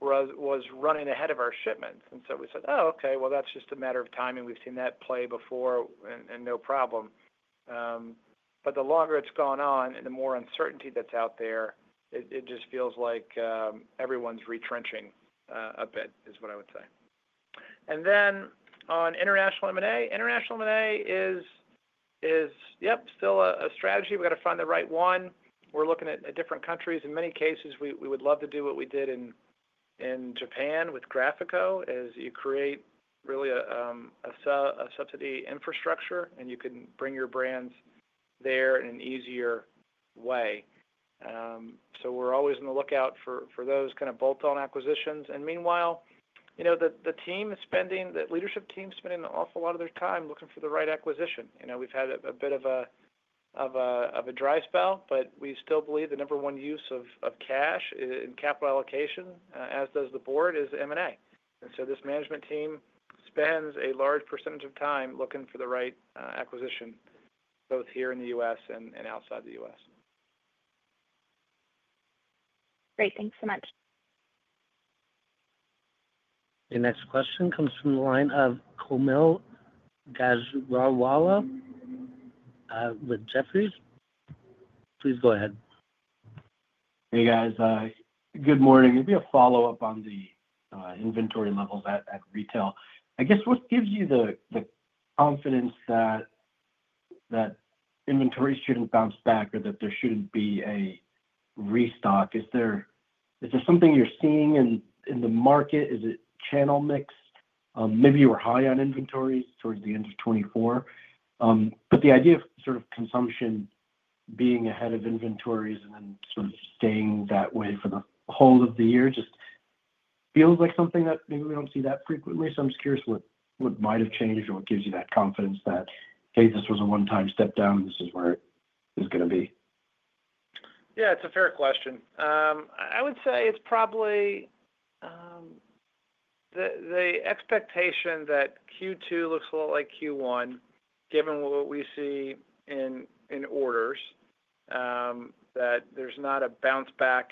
was running ahead of our shipments. We said, "Oh, okay. That is just a matter of timing. We've seen that play before and no problem." The longer it's gone on and the more uncertainty that's out there, it just feels like everyone's retrenching a bit is what I would say. On international M&A, international M&A is, yep, still a strategy. We've got to find the right one. We're looking at different countries. In many cases, we would love to do what we did in Japan with Graphico as you create really a subsidy infrastructure and you can bring your brands there in an easier way. We are always on the lookout for those kind of bolt-on acquisitions. Meanwhile, you know, the team is spending, the leadership team is spending an awful lot of their time looking for the right acquisition. You know, we've had a bit of a dry spell, but we still believe the number one use of cash and capital allocation, as does the board, is M&A. This management team spends a large percentage of time looking for the right acquisition, both here in the U.S. and outside the U.S. Great. Thanks so much. The next question comes from the line of Kaumil Gajrawala with Jefferies. Please go ahead. Hey, guys. Good morning. It'd be a follow-up on the inventory levels at retail. I guess what gives you the confidence that inventory shouldn't bounce back or that there shouldn't be a restock? Is there something you're seeing in the market? Is it channel mix? Maybe you were high on inventories towards the end of 2024. The idea of sort of consumption being ahead of inventories and then sort of staying that way for the whole of the year just feels like something that maybe we don't see that frequently. I'm just curious what might have changed or what gives you that confidence that, "Hey, this was a one-time step down. This is where it is going to be. Yeah. It's a fair question. I would say it's probably the expectation that Q2 looks a lot like Q1, given what we see in orders, that there's not a bounce back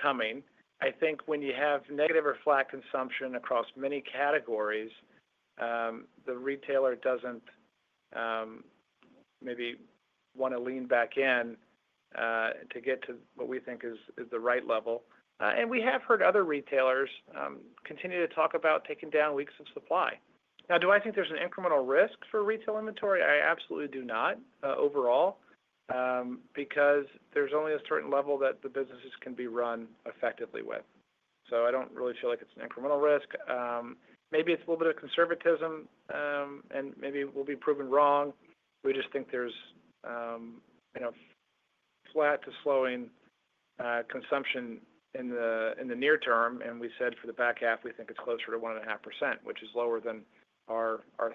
coming. I think when you have negative or flat consumption across many categories, the retailer doesn't maybe want to lean back in to get to what we think is the right level. We have heard other retailers continue to talk about taking down weeks of supply. Now, do I think there's an incremental risk for retail inventory? I absolutely do not overall because there's only a certain level that the businesses can be run effectively with. I don't really feel like it's an incremental risk. Maybe it's a little bit of conservatism, and maybe we'll be proven wrong. We just think there's, you know, flat to slowing consumption in the near term. We said for the back half, we think it's closer to 1.5%, which is lower than our 3%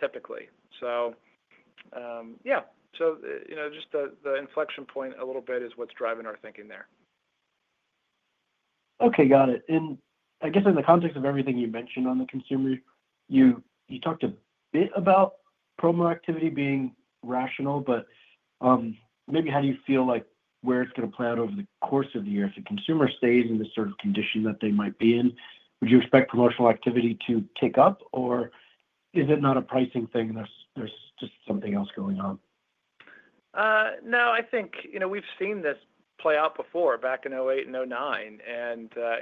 typically. Yeah. You know, just the inflection point a little bit is what's driving our thinking there. Okay. Got it. I guess in the context of everything you mentioned on the consumer, you talked a bit about promo activity being rational, but maybe how do you feel like where it's going to play out over the course of the year? If the consumer stays in this sort of condition that they might be in, would you expect promotional activity to take up, or is it not a pricing thing? There's just something else going on. No, I think, you know, we've seen this play out before back in 2008 and 2009.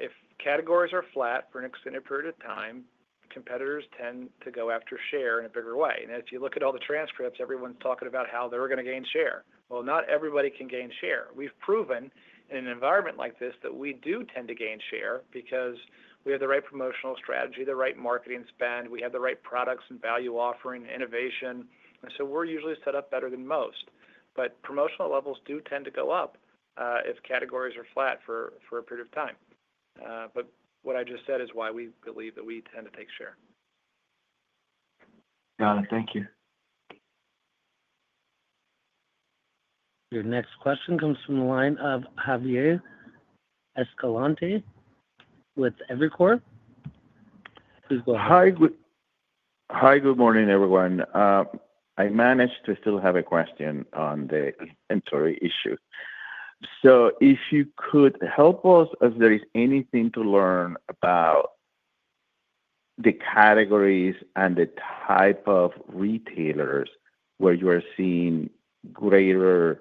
If categories are flat for an extended period of time, competitors tend to go after share in a bigger way. As you look at all the transcripts, everyone's talking about how they're going to gain share. Well, not everybody can gain share. We've proven in an environment like this that we do tend to gain share because we have the right promotional strategy, the right marketing spend. We have the right products and value offering and innovation. We are usually set up better than most. Promotional levels do tend to go up if categories are flat for a period of time. What I just said is why we believe that we tend to take share. Got it. Thank you. The next question comes from the line of Javier Escalante with Evercore. Please go ahead. Hi. Good morning, everyone. I managed to still have a question on the inventory issue. If you could help us if there is anything to learn about the categories and the type of retailers where you are seeing greater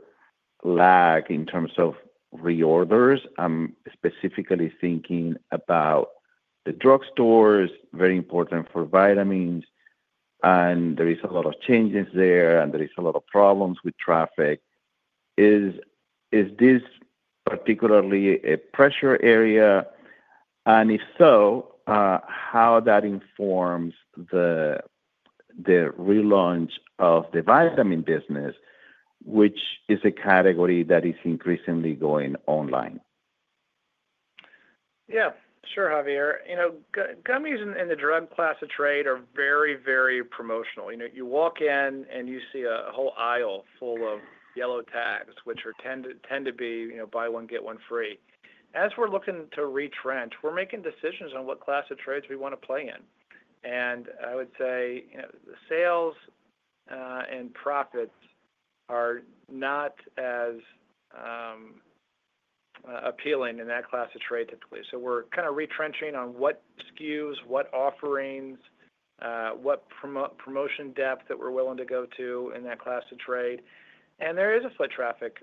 lag in terms of reorders. I am specifically thinking about the drugstores, very important for vitamins. There is a lot of changes there, and there is a lot of problems with traffic. Is this particularly a pressure area? If so, how that informs the relaunch of the vitamin business, which is a category that is increasingly going online? Yeah. Sure, Javier. You know, gummies in the drug class of trade are very, very promotional. You know, you walk in and you see a whole aisle full of yellow tags, which tend to be, you know, buy one, get one free. As we're looking to retrench, we're making decisions on what class of trades we want to play in. I would say, you know, the sales and profits are not as appealing in that class of trade typically. We are kind of retrenching on what SKUs, what offerings, what promotion depth that we're willing to go to in that class of trade. There is a slight traffic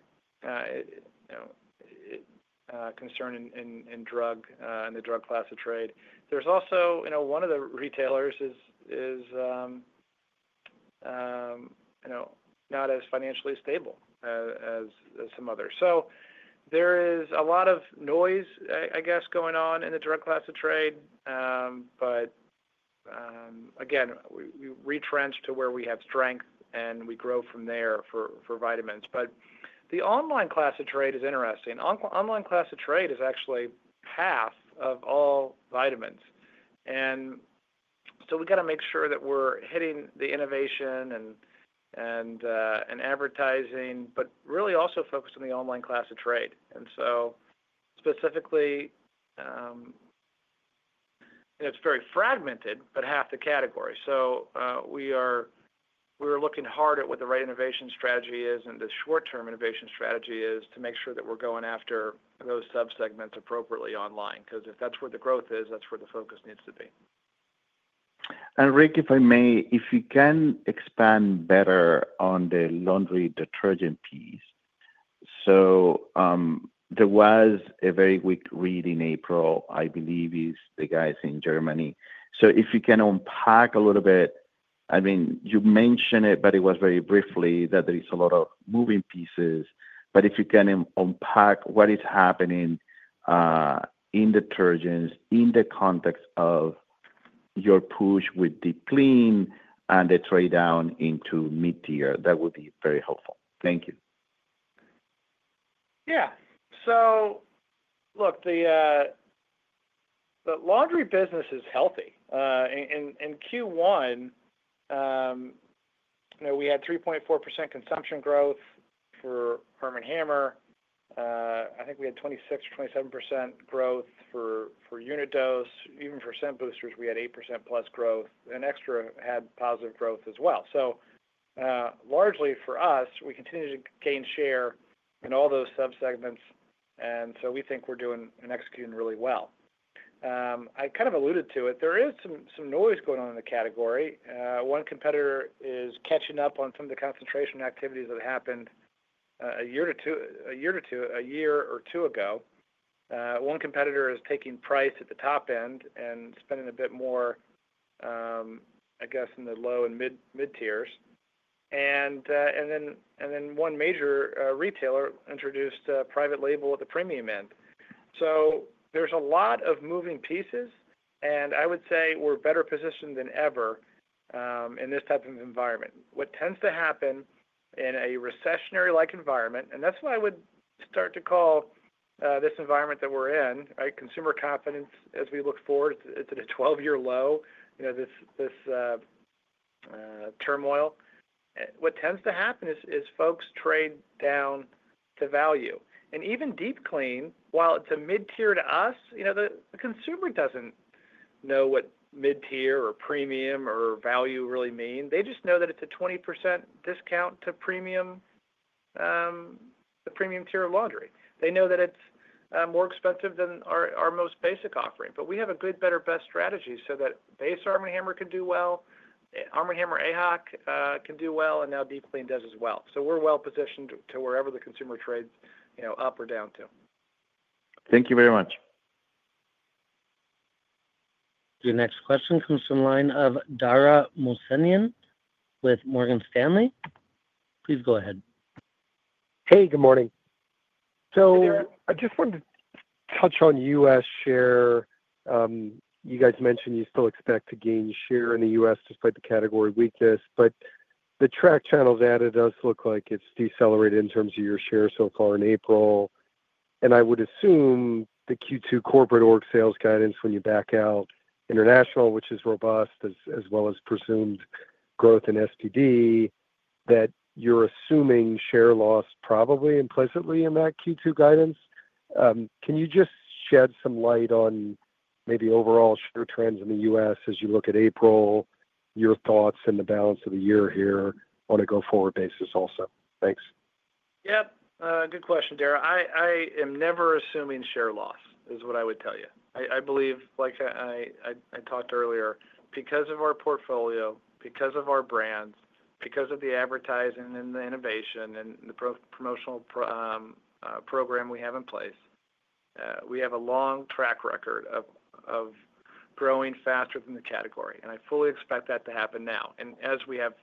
concern in drug, in the drug class of trade. There's also, you know, one of the retailers is, you know, not as financially stable as some others. There is a lot of noise, I guess, going on in the drug class of trade. Again, we retrench to where we have strength and we grow from there for vitamins. The online class of trade is interesting. Online class of trade is actually half of all vitamins. We have to make sure that we are hitting the innovation and advertising, but really also focused on the online class of trade. Specifically, it is very fragmented, but half the category. We are looking hard at what the right innovation strategy is and the short-term innovation strategy is to make sure that we are going after those subsegments appropriately online because if that is where the growth is, that is where the focus needs to be. Rick, if I may, if you can expand better on the laundry detergent piece. There was a very quick read in April, I believe it is the guys in Germany. If you can unpack a little bit, I mean, you mentioned it, but it was very briefly that there is a lot of moving pieces. If you can unpack what is happening in detergents in the context of your push with Deep Clean and the trade down into mid-tier, that would be very helpful. Thank you. Yeah. Look, the laundry business is healthy. In Q1, you know, we had 3.4% consumption growth for Arm & Hammer. I think we had 26% or 27% growth for unit dose. Even for Scent Boosters, we had 8%+ growth. Extra had positive growth as well. Largely for us, we continue to gain share in all those subsegments. We think we are doing and executing really well. I kind of alluded to it. There is some noise going on in the category. One competitor is catching up on some of the concentration activities that happened a year or two ago. One competitor is taking price at the top end and spending a bit more, I guess, in the low and mid-tiers. One major retailer introduced a private label at the premium end. There are a lot of moving pieces, and I would say we're better positioned than ever in this type of environment. What tends to happen in a recessionary-like environment, and that's why I would start to call this environment that we're in, right, consumer confidence as we look forward to the 12-year low, you know, this turmoil, what tends to happen is folks trade down to value. Even Deep Clean, while it's a mid-tier to us, you know, the consumer doesn't know what mid-tier or premium or value really mean. They just know that it's a 20% discount to premium, the premium tier of laundry. They know that it's more expensive than our most basic offering. We have a good, better, best strategy so that Base Arm & Hammer can do well, Arm & Hammer AHOC can do well, and now Deep Clean does as well. We're well positioned to wherever the consumer trades, you know, up or down to. Thank you very much. The next question comes from the line of Dara Mohsenian with Morgan Stanley. Please go ahead. Hey, good morning. I just wanted to touch on U.S. share. You guys mentioned you still expect to gain share in the U.S. despite the category weakness. The track channels added does look like it's decelerated in terms of your share so far in April. I would assume the Q2 corporate org sales guidance, when you back out international, which is robust, as well as presumed growth in SPD, that you're assuming share loss probably implicitly in that Q2 guidance. Can you just shed some light on maybe overall share trends in the U.S. as you look at April, your thoughts and the balance of the year here on a go-forward basis also? Thanks. Yep. Good question, Dara. I am never assuming share loss is what I would tell you. I believe, like I talked earlier, because of our portfolio, because of our brands, because of the advertising and the innovation and the promotional program we have in place, we have a long track record of growing faster than the category. I fully expect that to happen now. As we have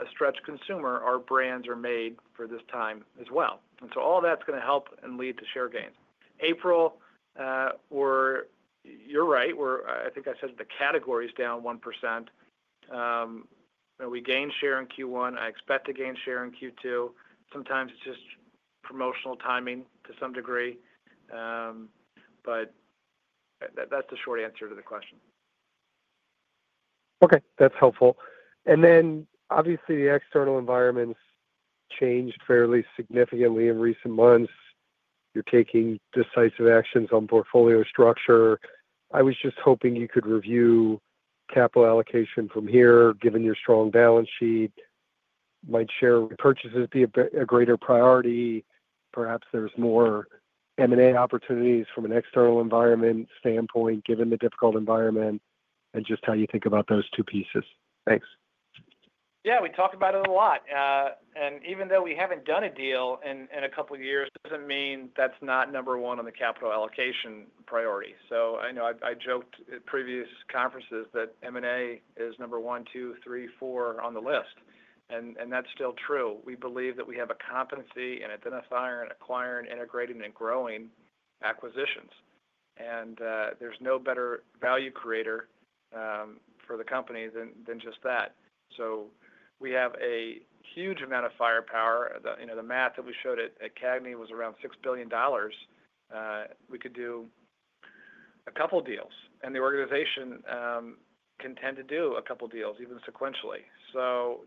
a stretched consumer, our brands are made for this time as well. All that's going to help and lead to share gains. April, you're right. I think I said the category's down 1%. We gained share in Q1. I expect to gain share in Q2. Sometimes it's just promotional timing to some degree. That's the short answer to the question. Okay. That's helpful. Obviously the external environment has changed fairly significantly in recent months. You're taking decisive actions on portfolio structure. I was just hoping you could review capital allocation from here, given your strong balance sheet. Might share repurchases be a greater priority? Perhaps there's more M&A opportunities from an external environment standpoint, given the difficult environment, and just how you think about those two pieces. Thanks. Yeah. We talk about it a lot. Even though we haven't done a deal in a couple of years, it doesn't mean that's not number one on the capital allocation priority. I know I joked at previous conferences that M&A is number one, two, three, four on the list. That's still true. We believe that we have a competency in identifying and acquiring and integrating and growing acquisitions. There's no better value creator for the company than just that. We have a huge amount of firepower. The math that we showed at Cagney was around $6 billion. We could do a couple of deals. The organization can tend to do a couple of deals, even sequentially.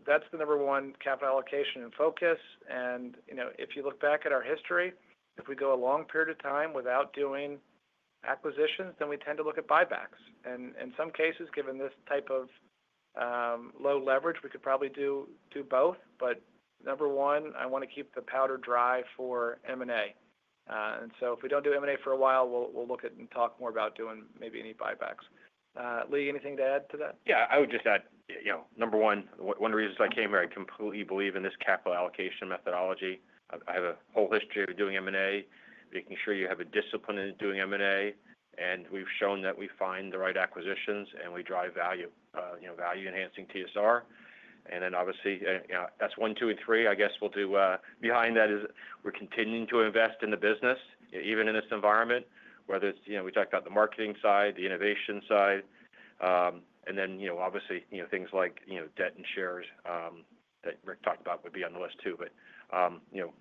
That's the number one capital allocation in focus. You know, if you look back at our history, if we go a long period of time without doing acquisitions, then we tend to look at buybacks. In some cases, given this type of low leverage, we could probably do both. Number one, I want to keep the powder dry for M&A. If we do not do M&A for a while, we will look at and talk more about doing maybe any buybacks. Lee, anything to add to that? Yeah. I would just add, you know, number one, one of the reasons I came here, I completely believe in this capital allocation methodology. I have a whole history of doing M&A, making sure you have a discipline in doing M&A. And we've shown that we find the right acquisitions and we drive value, you know, value-enhancing TSR. Obviously, you know, that's one, two, and three. I guess we'll do behind that is we're continuing to invest in the business, even in this environment, whether it's, you know, we talked about the marketing side, the innovation side. You know, obviously, you know, things like, you know, debt and shares that Rick talked about would be on the list too. You know,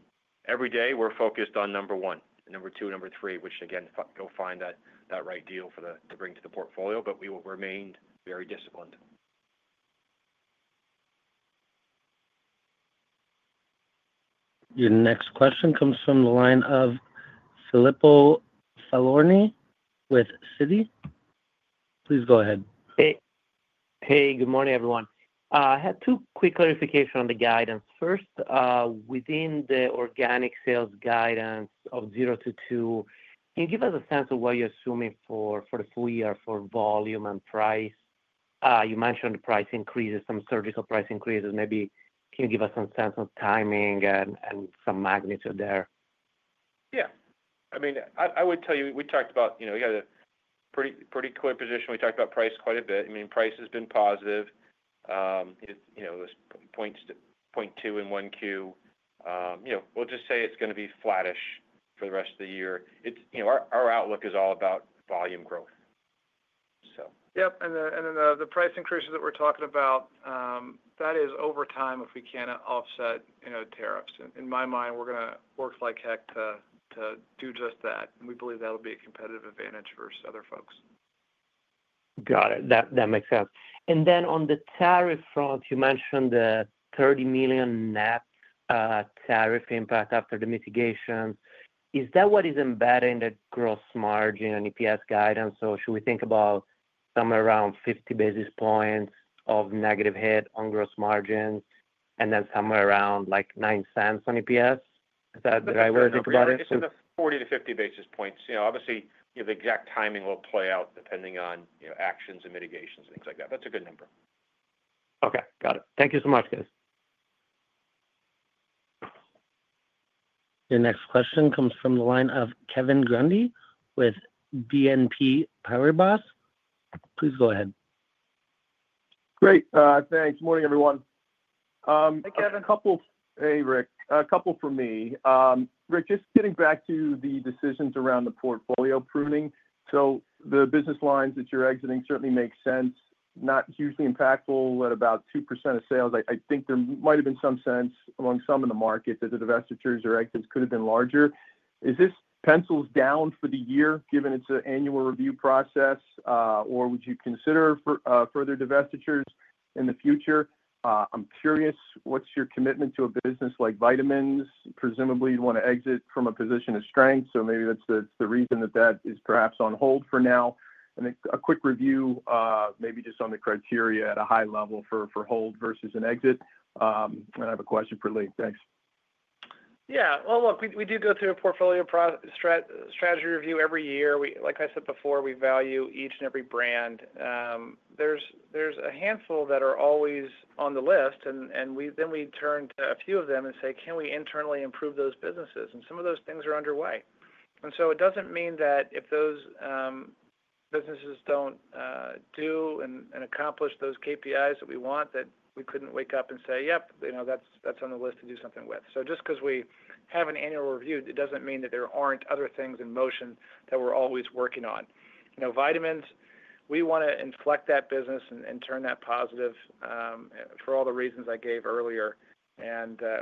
every day we're focused on number one, number two, number three, which again, go find that right deal to bring to the portfolio. We will remain very disciplined. The next question comes from the line of Filippo Falorni with Citi. Please go ahead. Hey. Hey. Good morning, everyone. I had two quick clarifications on the guidance. First, within the organic sales guidance of 0%-2%, can you give us a sense of what you're assuming for the full year for volume and price? You mentioned the price increases, some surgical price increases. Maybe can you give us some sense of timing and some magnitude there? Yeah. I mean, I would tell you we talked about, you know, we had a pretty clear position. We talked about price quite a bit. I mean, price has been positive. You know, it was 0.2 in 1Q. You know, we'll just say it's going to be flattish for the rest of the year. It's, you know, our outlook is all about volume growth, so. Yep. The price increases that we're talking about, that is over time if we can't offset, you know, tariffs. In my mind, we're going to work like heck to do just that. We believe that'll be a competitive advantage versus other folks. Got it. That makes sense. On the tariff front, you mentioned the $30 million net tariff impact after the mitigation. Is that what is embedded in the gross margin and EPS guidance? Should we think about somewhere around 50 basis points of negative hit on gross margins and then somewhere around like $0.09 on EPS? Is that the right word to put that in? I think it's 40-50 basis points. You know, obviously, you know, the exact timing will play out depending on, you know, actions and mitigations and things like that. That's a good number. Okay. Got it. Thank you so much, guys. The next question comes from the line of Kevin Grundy with BNP Paribas. Please go ahead. Great. Thanks. Morning, everyone. Hey, Kevin. A couple of, hey, Rick, a couple from me. Rick, just getting back to the decisions around the portfolio pruning. The business lines that you're exiting certainly make sense, not hugely impactful at about 2% of sales. I think there might have been some sense among some in the market that the divestitures or exits could have been larger. Is this pencils down for the year given it's an annual review process, or would you consider further divestitures in the future? I'm curious, what's your commitment to a business like vitamins? Presumably, you'd want to exit from a position of strength. Maybe that's the reason that that is perhaps on hold for now. A quick review, maybe just on the criteria at a high level for hold versus an exit. I have a question for Lee. Thanks. Yeah. Look, we do go through a portfolio strategy review every year. Like I said before, we value each and every brand. There's a handful that are always on the list, and then we turn to a few of them and say, can we internally improve those businesses? Some of those things are underway. It doesn't mean that if those businesses don't do and accomplish those KPIs that we want, that we couldn't wake up and say, yep, you know, that's on the list to do something with. Just because we have an annual review, it doesn't mean that there aren't other things in motion that we're always working on. You know, vitamins, we want to inflect that business and turn that positive for all the reasons I gave earlier.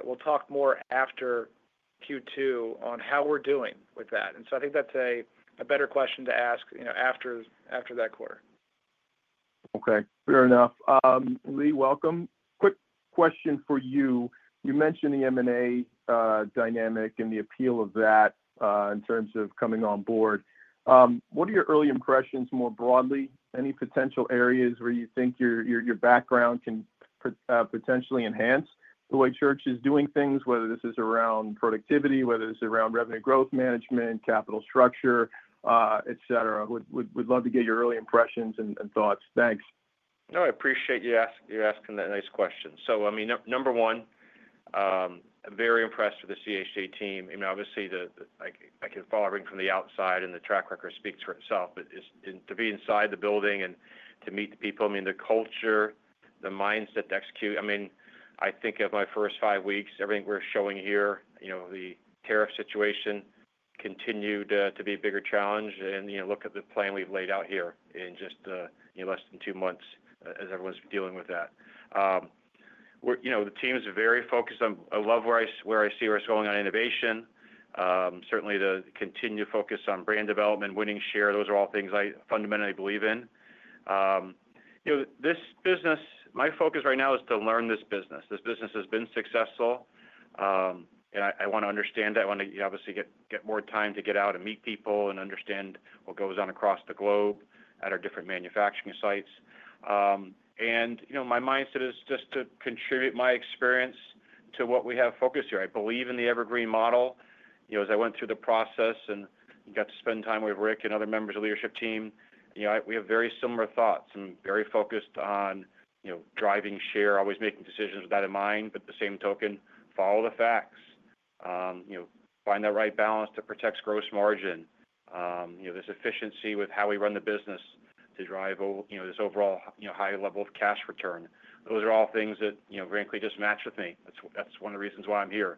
We'll talk more after Q2 on how we're doing with that. I think that's a better question to ask, you know, after that quarter. Okay. Fair enough. Lee, welcome. Quick question for you. You mentioned the M&A dynamic and the appeal of that in terms of coming on board. What are your early impressions more broadly? Any potential areas where you think your background can potentially enhance the way Church is doing things, whether this is around productivity, whether it's around revenue growth management, capital structure, etc.? Would love to get your early impressions and thoughts. Thanks. No, I appreciate you asking that nice question. I mean, number one, very impressed with the Church & Dwight team. I mean, obviously, I can follow everything from the outside, and the track record speaks for itself. To be inside the building and to meet the people, I mean, the culture, the mindset to execute, I think of my first five weeks, everything we're showing here, you know, the tariff situation continued to be a bigger challenge. You know, look at the plan we've laid out here in just less than two months as everyone's dealing with that. The team is very focused on, I love where I see where it's going on innovation. Certainly, the continued focus on brand development, winning share, those are all things I fundamentally believe in. This business, my focus right now is to learn this business. This business has been successful. I want to understand that. I want to obviously get more time to get out and meet people and understand what goes on across the globe at our different manufacturing sites. You know, my mindset is just to contribute my experience to what we have focused here. I believe in the evergreen model. You know, as I went through the process and got to spend time with Rick and other members of the leadership team, you know, we have very similar thoughts and very focused on, you know, driving share, always making decisions with that in mind. At the same token, follow the facts, you know, find that right balance that protects gross margin, you know, this efficiency with how we run the business to drive, you know, this overall, you know, high level of cash return. Those are all things that, you know, frankly just match with me. That's one of the reasons why I'm here.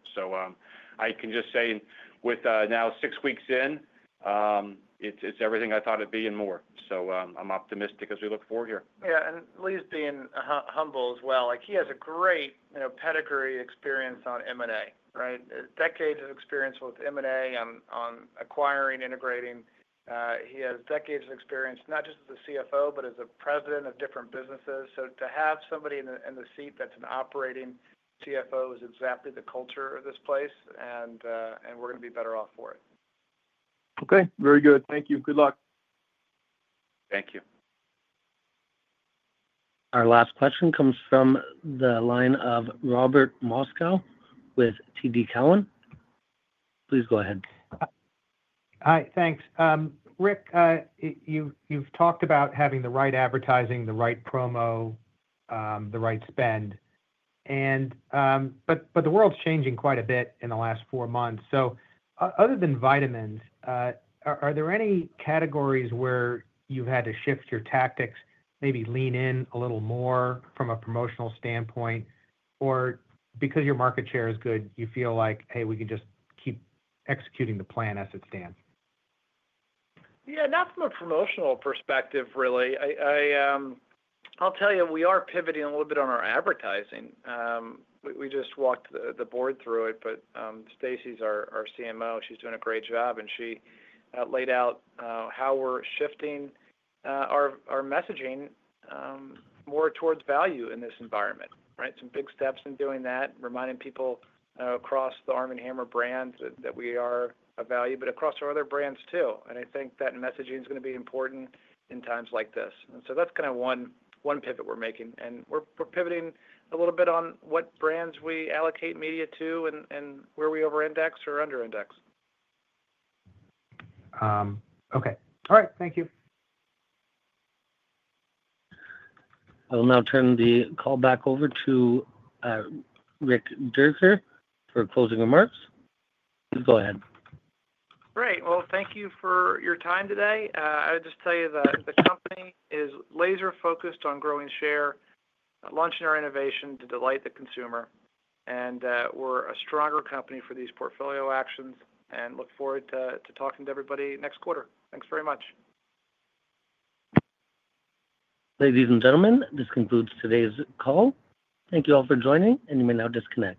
I can just say with now six weeks in, it's everything I thought it'd be and more. I'm optimistic as we look forward here. Yeah. Lee's being humble as well. Like he has a great, you know, pedigree experience on M&A, right? Decades of experience with M&A on acquiring, integrating. He has decades of experience, not just as a CFO, but as a president of different businesses. To have somebody in the seat that's an operating CFO is exactly the culture of this place. We're going to be better off for it. Okay. Very good. Thank you. Good luck. Thank you. Our last question comes from the line of Robert Moskow with TD Cowen. Please go ahead. Hi. Thanks. Rick, you've talked about having the right advertising, the right promo, the right spend. The world's changing quite a bit in the last four months. Other than vitamins, are there any categories where you've had to shift your tactics, maybe lean in a little more from a promotional standpoint, or because your market share is good, you feel like, hey, we can just keep executing the plan as it stands? Yeah. Not from a promotional perspective, really. I'll tell you, we are pivoting a little bit on our advertising. We just walked the board through it. Stacy's our CMO. She's doing a great job. She laid out how we're shifting our messaging more towards value in this environment, right? Some big steps in doing that, reminding people across the Arm & Hammer brand that we are of value, but across our other brands too. I think that messaging is going to be important in times like this. That's kind of one pivot we're making. We're pivoting a little bit on what brands we allocate media to and where we over-index or under-index. Okay. All right. Thank you. I'll now turn the call back over to Rick Dierker for closing remarks. Please go ahead. Great. Thank you for your time today. I would just tell you that the company is laser-focused on growing share, launching our innovation to delight the consumer. We are a stronger company for these portfolio actions. I look forward to talking to everybody next quarter. Thanks very much. Ladies and gentlemen, this concludes today's call. Thank you all for joining. You may now disconnect.